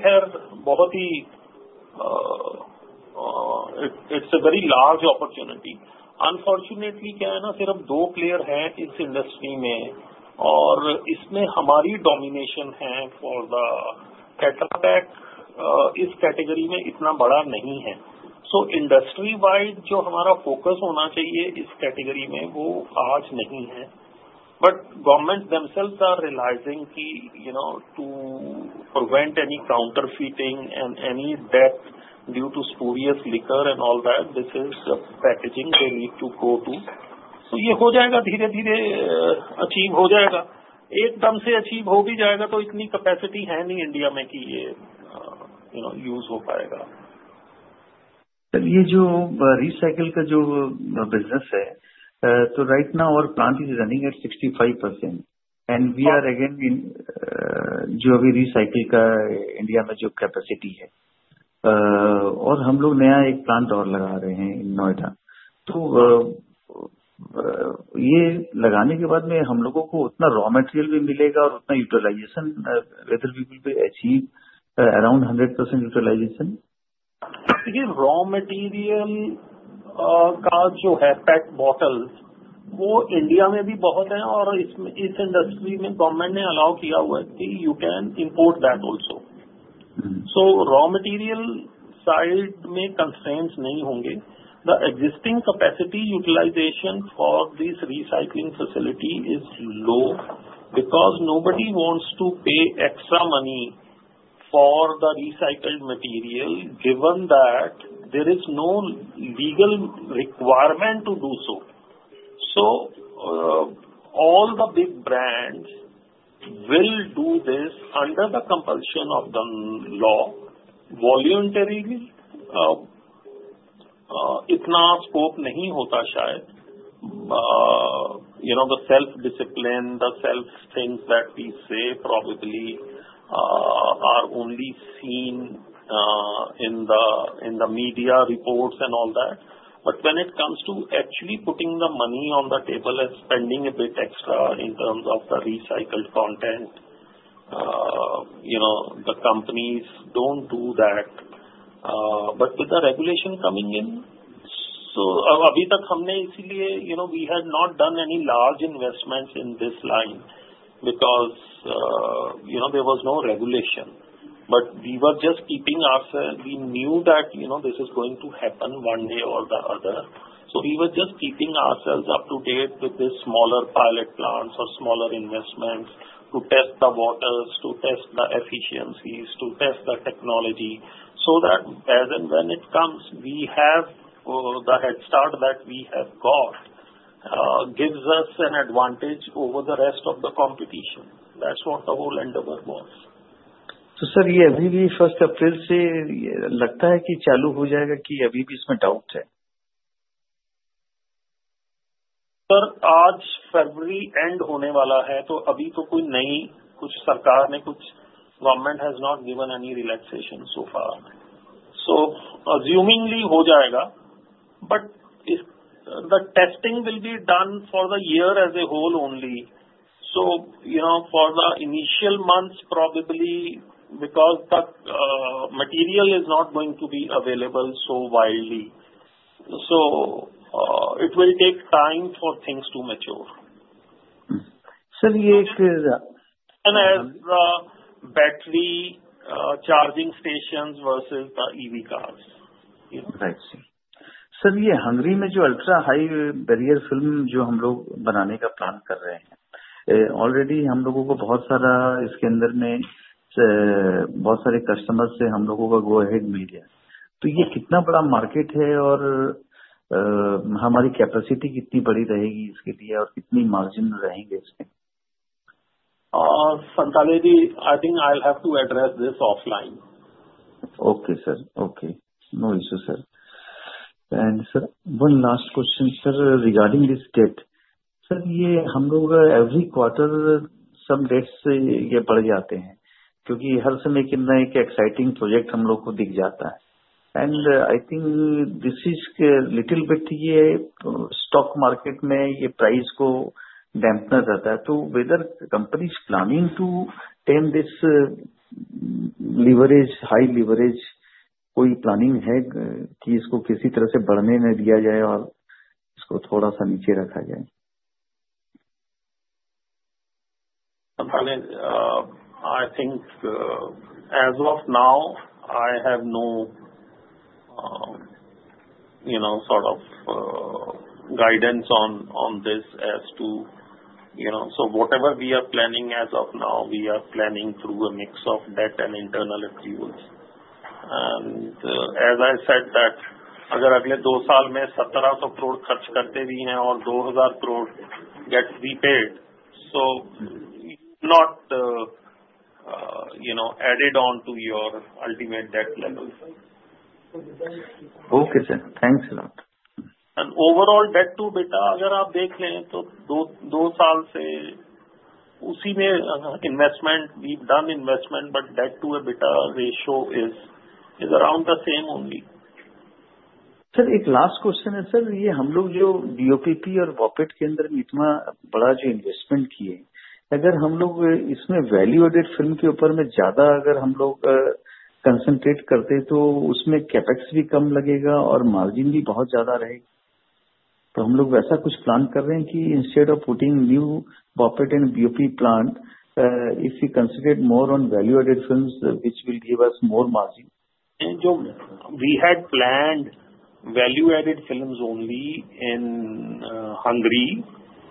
has it's a very large opportunity. Unfortunately, there are no player in this industry or this combination for the catalact category. So industry wide, focus on this category. But governments themselves are realizing to prevent any counterfeiting and any debt due to spurious liquor and all that, this is packaging they need to go to. So right now our plant is running at 65 and we are again Geovir recycling India major capacity. You can import that also. So raw material side may constraints. The existing capacity utilization for this recycling facility is low because nobody wants to pay extra money for the recycled material given that there is no legal requirement to do so. So all the big brands will do this under the compulsion of the law, voluntarily. The self discipline, the self things that we say probably are only seen in the media reports and all that. But when it comes to actually putting the money on the table and spending a bit extra in terms of the recycled content, the companies don't do that. But with the regulation coming in, so we had not done any large investments in this line because there was no regulation. But we were just keeping ourselves we knew that this is going to happen one day or the other. So we were just keeping ourselves up to date with these smaller pilot plants or smaller investments to test the waters, to test the efficiencies, to test the technology, so that as and when it comes, we have the head start that we have got gives us an advantage over the rest of the competition. That's what the whole endeavor wants. The testing will be done for the year as a whole only. So for the initial months, probably, because that material is not going to be available so widely. So it will take time for things to mature. And as the battery charging stations versus the EV cars. I see. So, yes, Hungary Ultra High barrier film already I think I'll have to address this offline. Okay, sir. Okay. No issues, sir. And one last question regarding this debt. And I think this is a little bit here. Stock market may price go damp. Whether the company is planning to tend this leverage, high leverage planning? I think as of now, I have no sort of guidance on this as to so whatever we are planning as of now, we are planning through a mix of debt and internal accruals. And as I said that gets repaid. So not added on to your ultimate debt level. And overall debt to EBITDA, we've done investment, but debt to EBITDA ratio is around the same only. Sir, last question. Concentrate on the CapEx. Instead of putting new BOP plant, if we consider more on value added films, which will give us more margin. And, John, we had planned value added films only in Hungary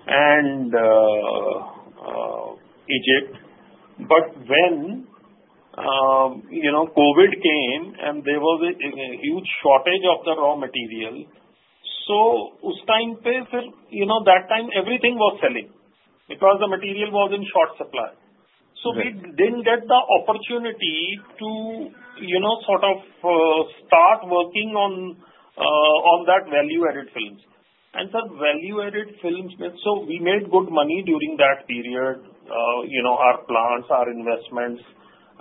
and Egypt. But when COVID came and there was a huge shortage of the raw material, so Ustinpe, that time everything was selling because the material was in short supply. So we didn't get the opportunity to sort of start working on that value added films. And so value added films, so we made good money during that period. Our plants, our investments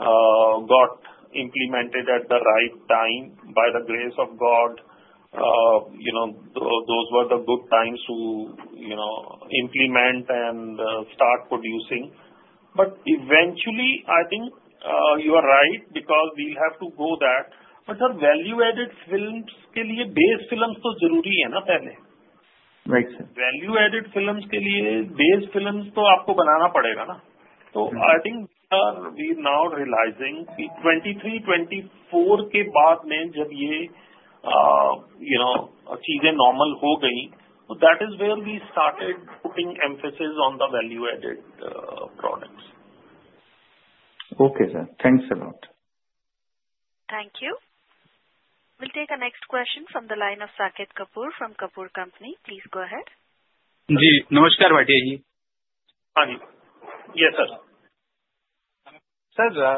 got implemented at the right time by the grace of God. Those were the good times to implement and start producing. But eventually, I think you are right because we'll have to go there. But the value added films, base films, value added films, base films. So I think we're now realizing twenty three, twenty four. So that is where we started putting emphasis on the value added products. We'll take our next question from the line of Saket Kapoor from Kapoor Company. Please go ahead. Yes, sir. Sir,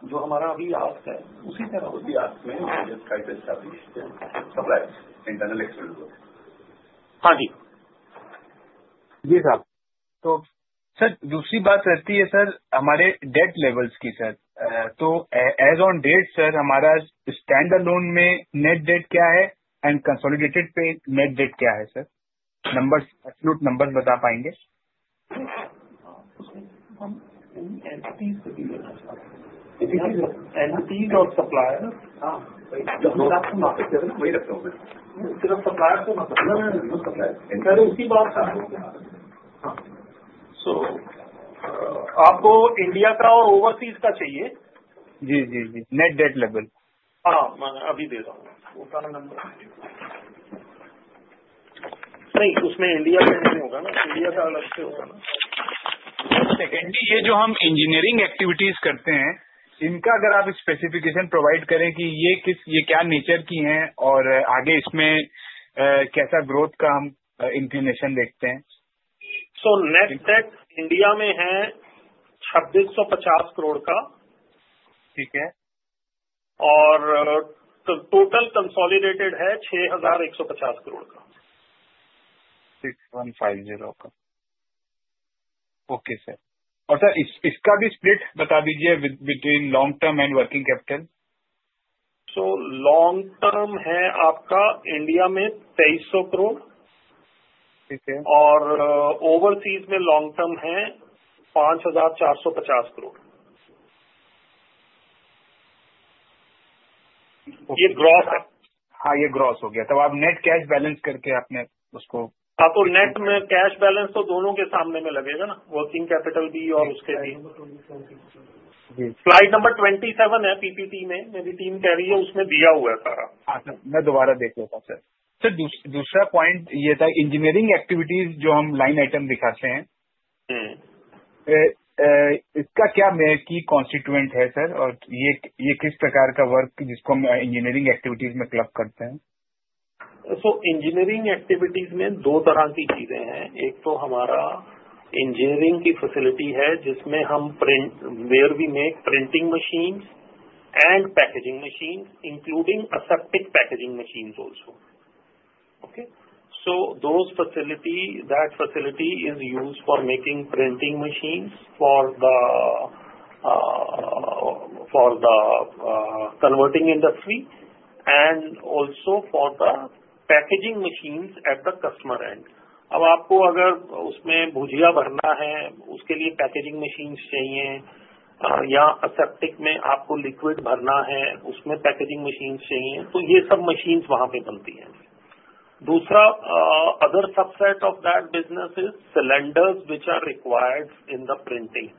our presentation is released. Sir. Absolute numbers with our buying list. And these are suppliers, Engineering activities So NetTech India So net debt India or total consolidated net. 6,150. Okay, sir. Is this split between long term and working capital? So long term, India or overseas, long term, Slide number 27, So engineering activities, engineering activities, there we make printing machines and packaging machines, including aseptic packaging machines also. So facility, that facility is used for making printing machines for the converting industry and also for the packaging machines at the customer end. End. Dusra, other subset of that business is cylinders which are required in the printing.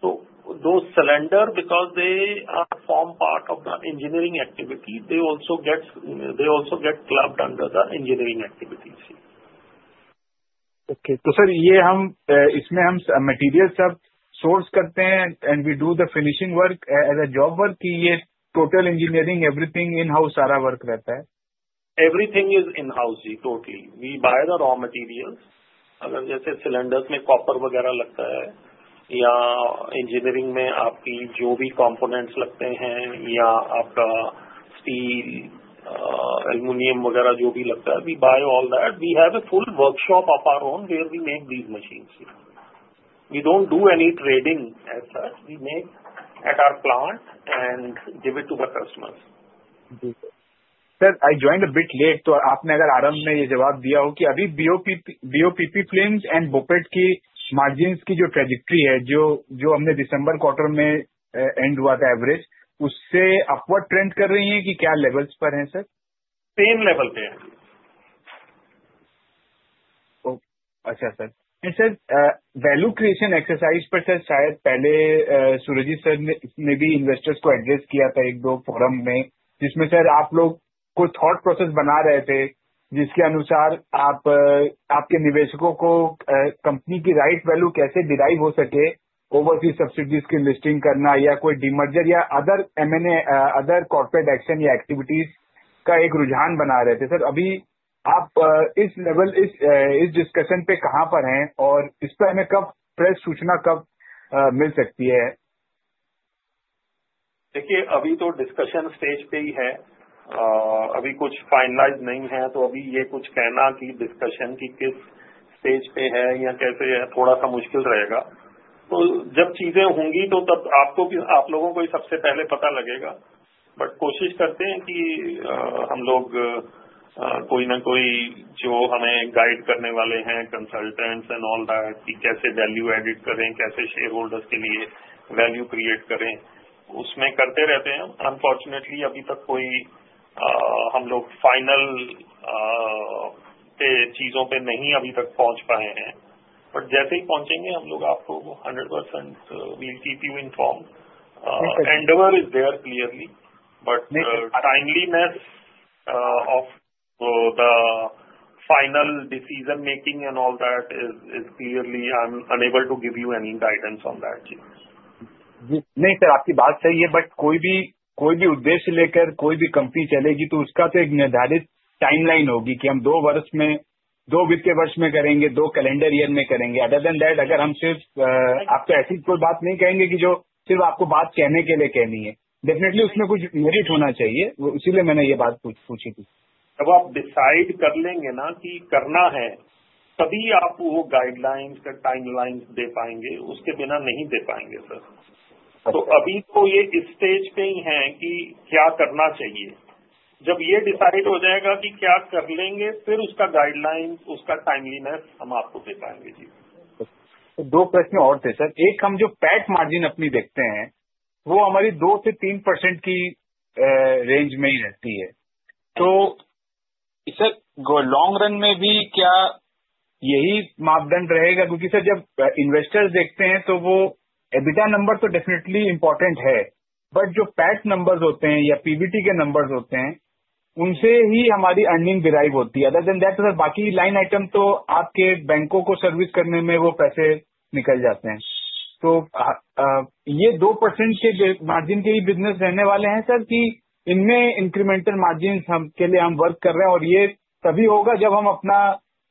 So those cylinder, because they form part of the engineering activity, they also get clubbed under the engineering activities. Okay. Materials are sourced and we do the finishing work. As a job work, total engineering, everything in house are our work right there? Everything is in house, totally. We buy the raw materials. We buy the raw materials. We buy aluminum, we buy all that. We have a full workshop of our own where we make these machines. We don't do any trading as such. We make at our plant and give it to Sir, I joined a bit late. So BOPP claims and BOPP margins, the trajectory of December was average. Consultants and all that. Unfortunately, we have a final But we'll keep you informed. The endeavor is there clearly. But the timeliness of the final decision making and all that is clearly unable to give you any guidance on that.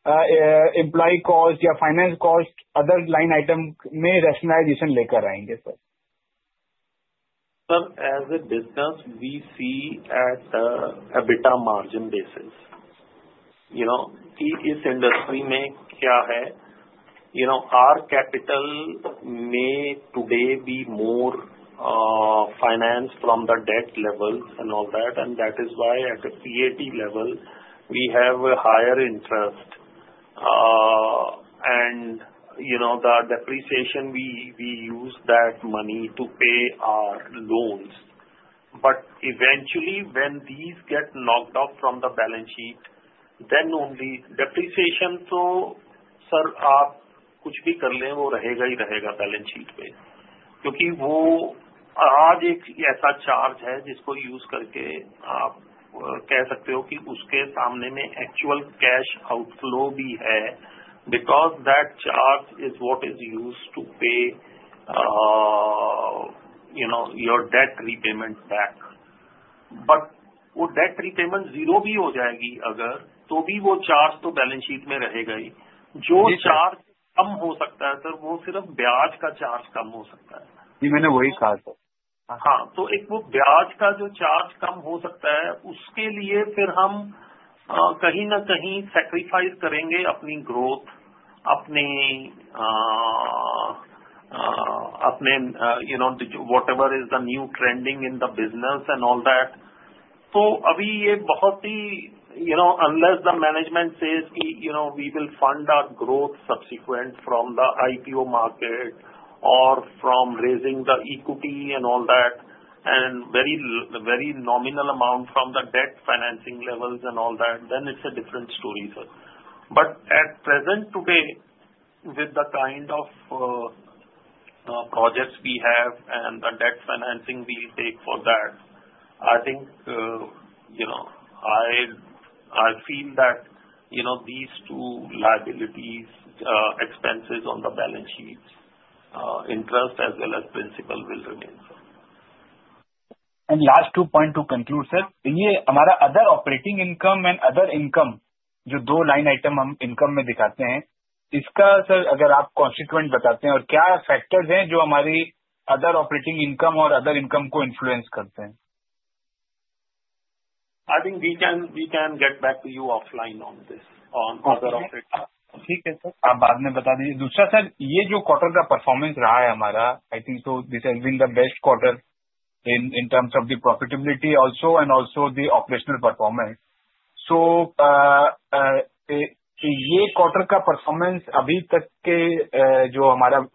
As a business, we see at EBITDA margin basis. Our capital may today be more financed from the debt level and all that. And that is why at the PAT level, we have a higher interest. And the depreciation, we use that money to pay our loans. But eventually, when these get knocked out from the balance sheet, then only depreciation to balance sheet. Actual cash outflow because that charge is what is used to pay your debt repayment back. But would debt repayment zero be be? So we will charge the balance sheet. Sacrifice growth, whatever is the new trending in the business and all that. So, Abhijit Bhakoti, unless the management says we will fund our growth subsequent from the IPO market or from raising the equity and all that and very nominal amount from the debt financing levels and all that, then it's a different story. But at present today, with the projects we have and the debt financing we take for that, I think I feel that these two liabilities expenses on the balance sheet, interest as well as principal will remain. And last two points to conclude, sir. Other operating income and other income, I think we can get back to you offline on this, I think this has been the best quarter in terms of the profitability also and also the operational performance. So this quarter performance is not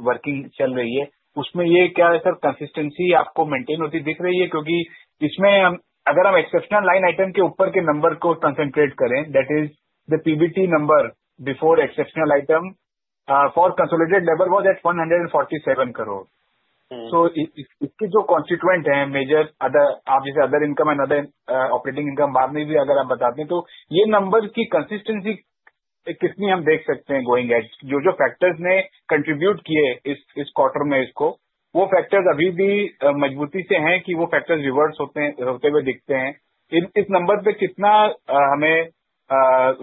working. That is the PBT number before exceptional item for consolidated labor was at INR 147 crores. So if this is a constituent major other income and other operating income, this number is consistent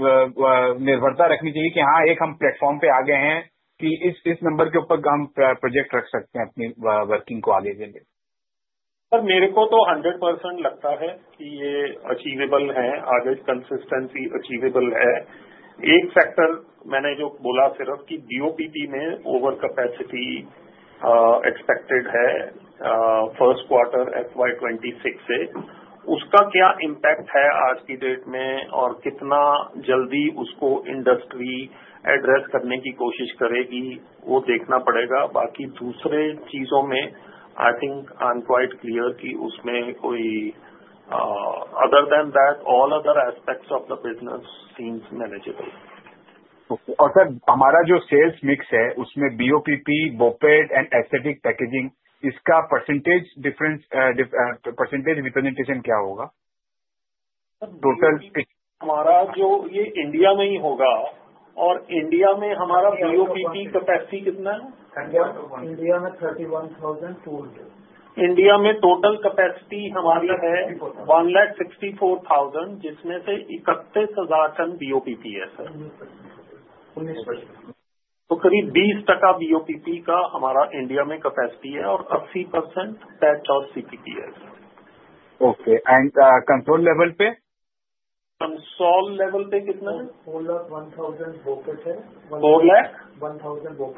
Other than that, all other aspects of the business seems manageable. Okay. BOPP, BOPP and Aesthetic Packaging, is there a percentage difference percentage Okay. And control level pay? Consol level pay. Consol level pay. Consol level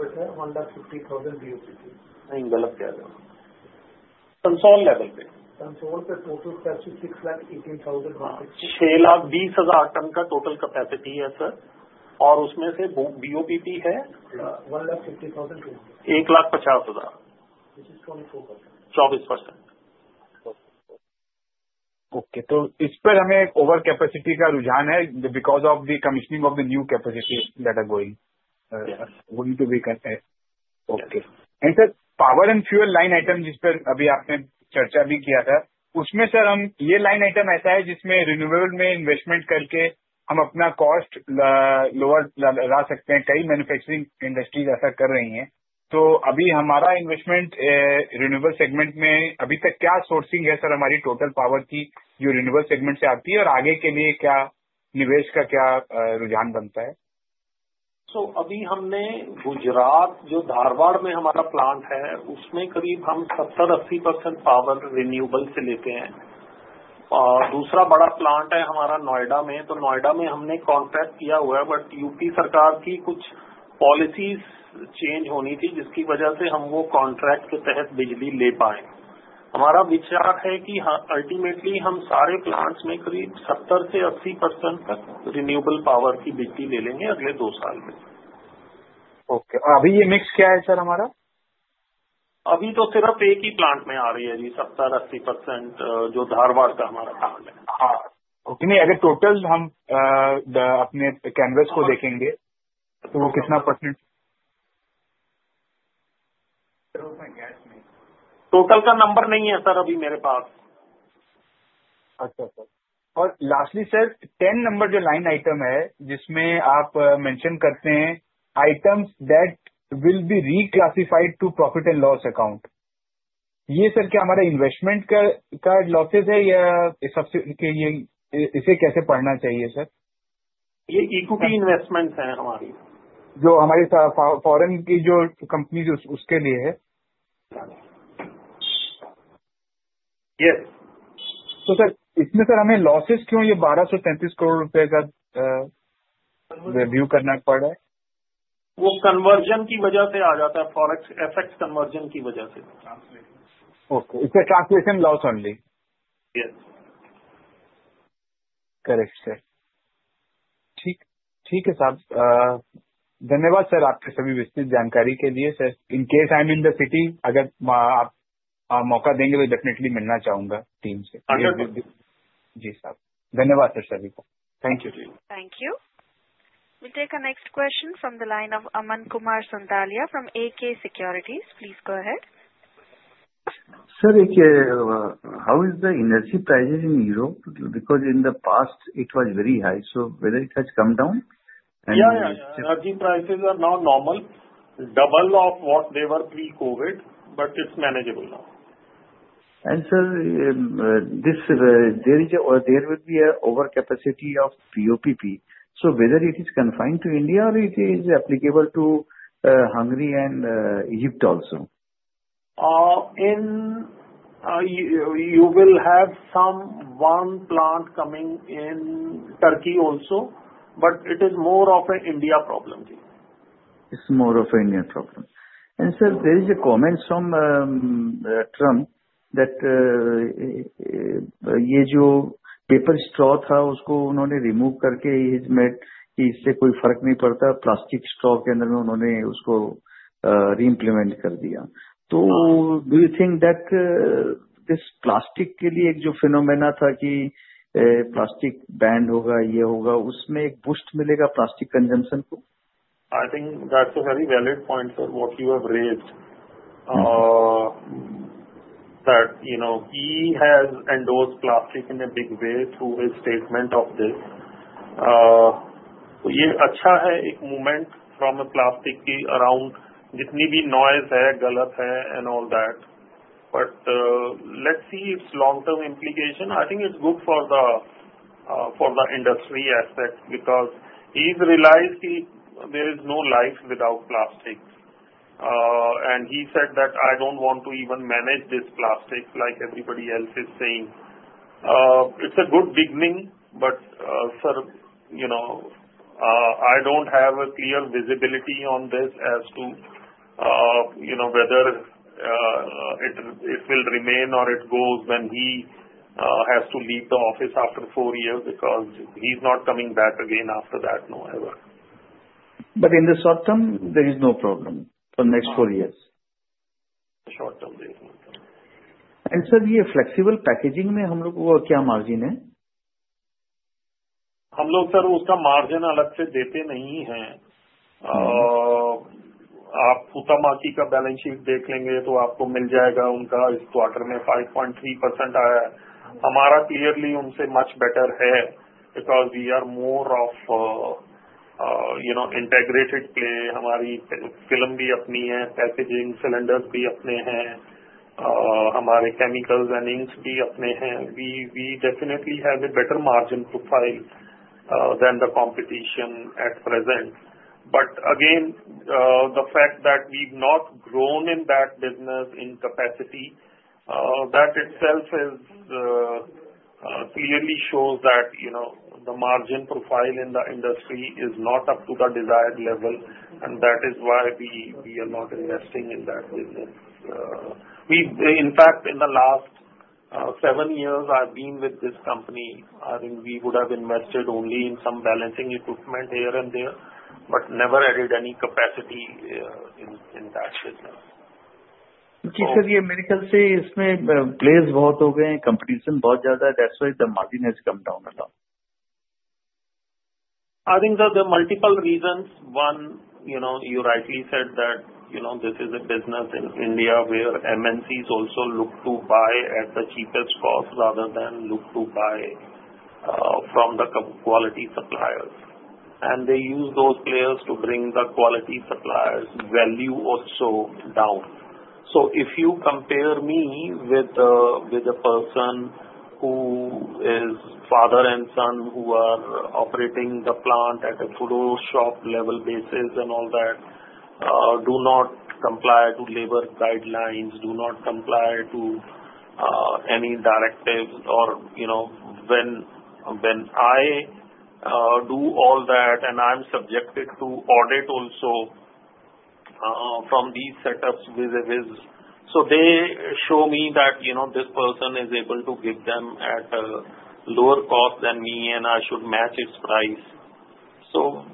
pay. Okay. And sir, Power and Fuel line items, we have a lot of money in the renewable investment. So Lastly, sir, 10 numbers line item, this may be mentioned, items that will be reclassified to profit and loss account. Okay. It's a translation loss only? Yes. Correct, sir. Thank you. We'll take our next question from the line of Aman Kumar Sondhalia from AK Securities. Please go ahead. Sir, AK, how is the energy prices in Europe? Because in the past, it was very high. So whether it has come down? And Yes, yes. Shipping prices are now normal, double of what they were pre COVID, but it's manageable now. And, sir, there would be an overcapacity of POPP. So whether it is confined to India or it is applicable to Hungary and Egypt also? In you will have some one plant coming in Turkey also, but it is more of an India problem. It's more of an India problem. And sir, there is a comment from Trump that Do you think that this plastic phenomenon, plastic band I think that's a very valid point, sir, what you have raised. That he has endorsed plastic in a big way through his statement of this. We have a movement from the plastic around noise and all that. But let's see its long term implication. I think it's good for the industry aspect because he's realized there is no life without plastics. And he said that I don't want to even manage this plastic like everybody else is saying. It's a good beginning, but I don't have a clear visibility on this as to whether it will remain or it goes when he has to leave the office after four years because he's not coming back again after that no ever. But in the short term, there is no problem for next four years? Short term, And sir, we are flexible packaging. Columbia, packaging cylinders, chemicals and INSE. We definitely have a better margin profile than the competition at present. But again, the fact that we've not grown in that business in capacity, that itself is clearly shows that the margin profile in the industry is not up to the desired level, and that is why we are not investing in that business. In fact, in the last seven years I've been with this company, I mean, we would have invested only in some balancing equipment here and there, but never added any capacity in that business. R. Vijay Kumar:] R. Vijay Kumar:] I think there are multiple reasons. One, you rightly said that this is a business in India where MNCs also look to buy at the cheapest cost rather than look to buy from the quality suppliers. And they use those players to bring the quality suppliers value also down. So if you compare me with the person who is father and son who are operating the plant at a photoshop level basis and all that, do not comply to labor guidelines, do not comply to any directives or when I do all that and I'm subjected to audit also from these setups vis a vis. So they show me that this person is able to give them at lower cost than me and I should match its price. So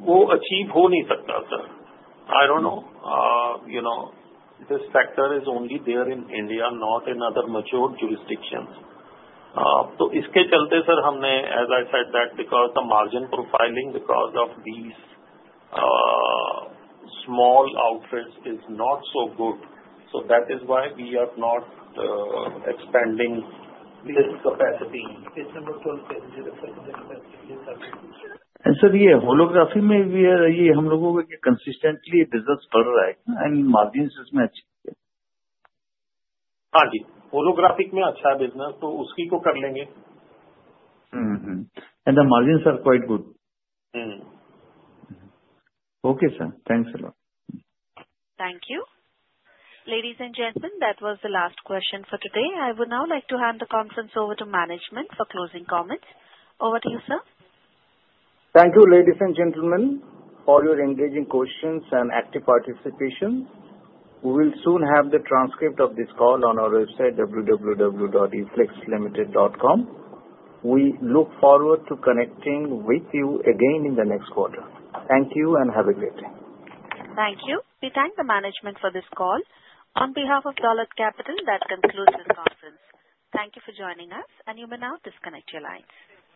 we'll achieve one sector, sir. I don't know. This sector is only there in India, not in other mature jurisdictions. So as I said that because the margin profiling because of these small outfits is not so good. So that is why we are not expanding this capacity. And so, the Holography, we are consistently business product and margins is matching. And the margins are quite good. Thank you. Ladies and gentlemen, that was the last question for today. I would now like to hand the conference over to management for closing comments. Over to you, sir. Thank you, ladies and gentlemen, for your engaging questions and active participation. We will soon have the transcript of this call on our website, www.eflexlimited.com. We look forward to connecting with you again in the next quarter. Thank you and have a great day. Thank you. We thank the management for this call. On behalf of Dollard Capital, that concludes this conference. Thank you for joining us, and you may now disconnect your lines.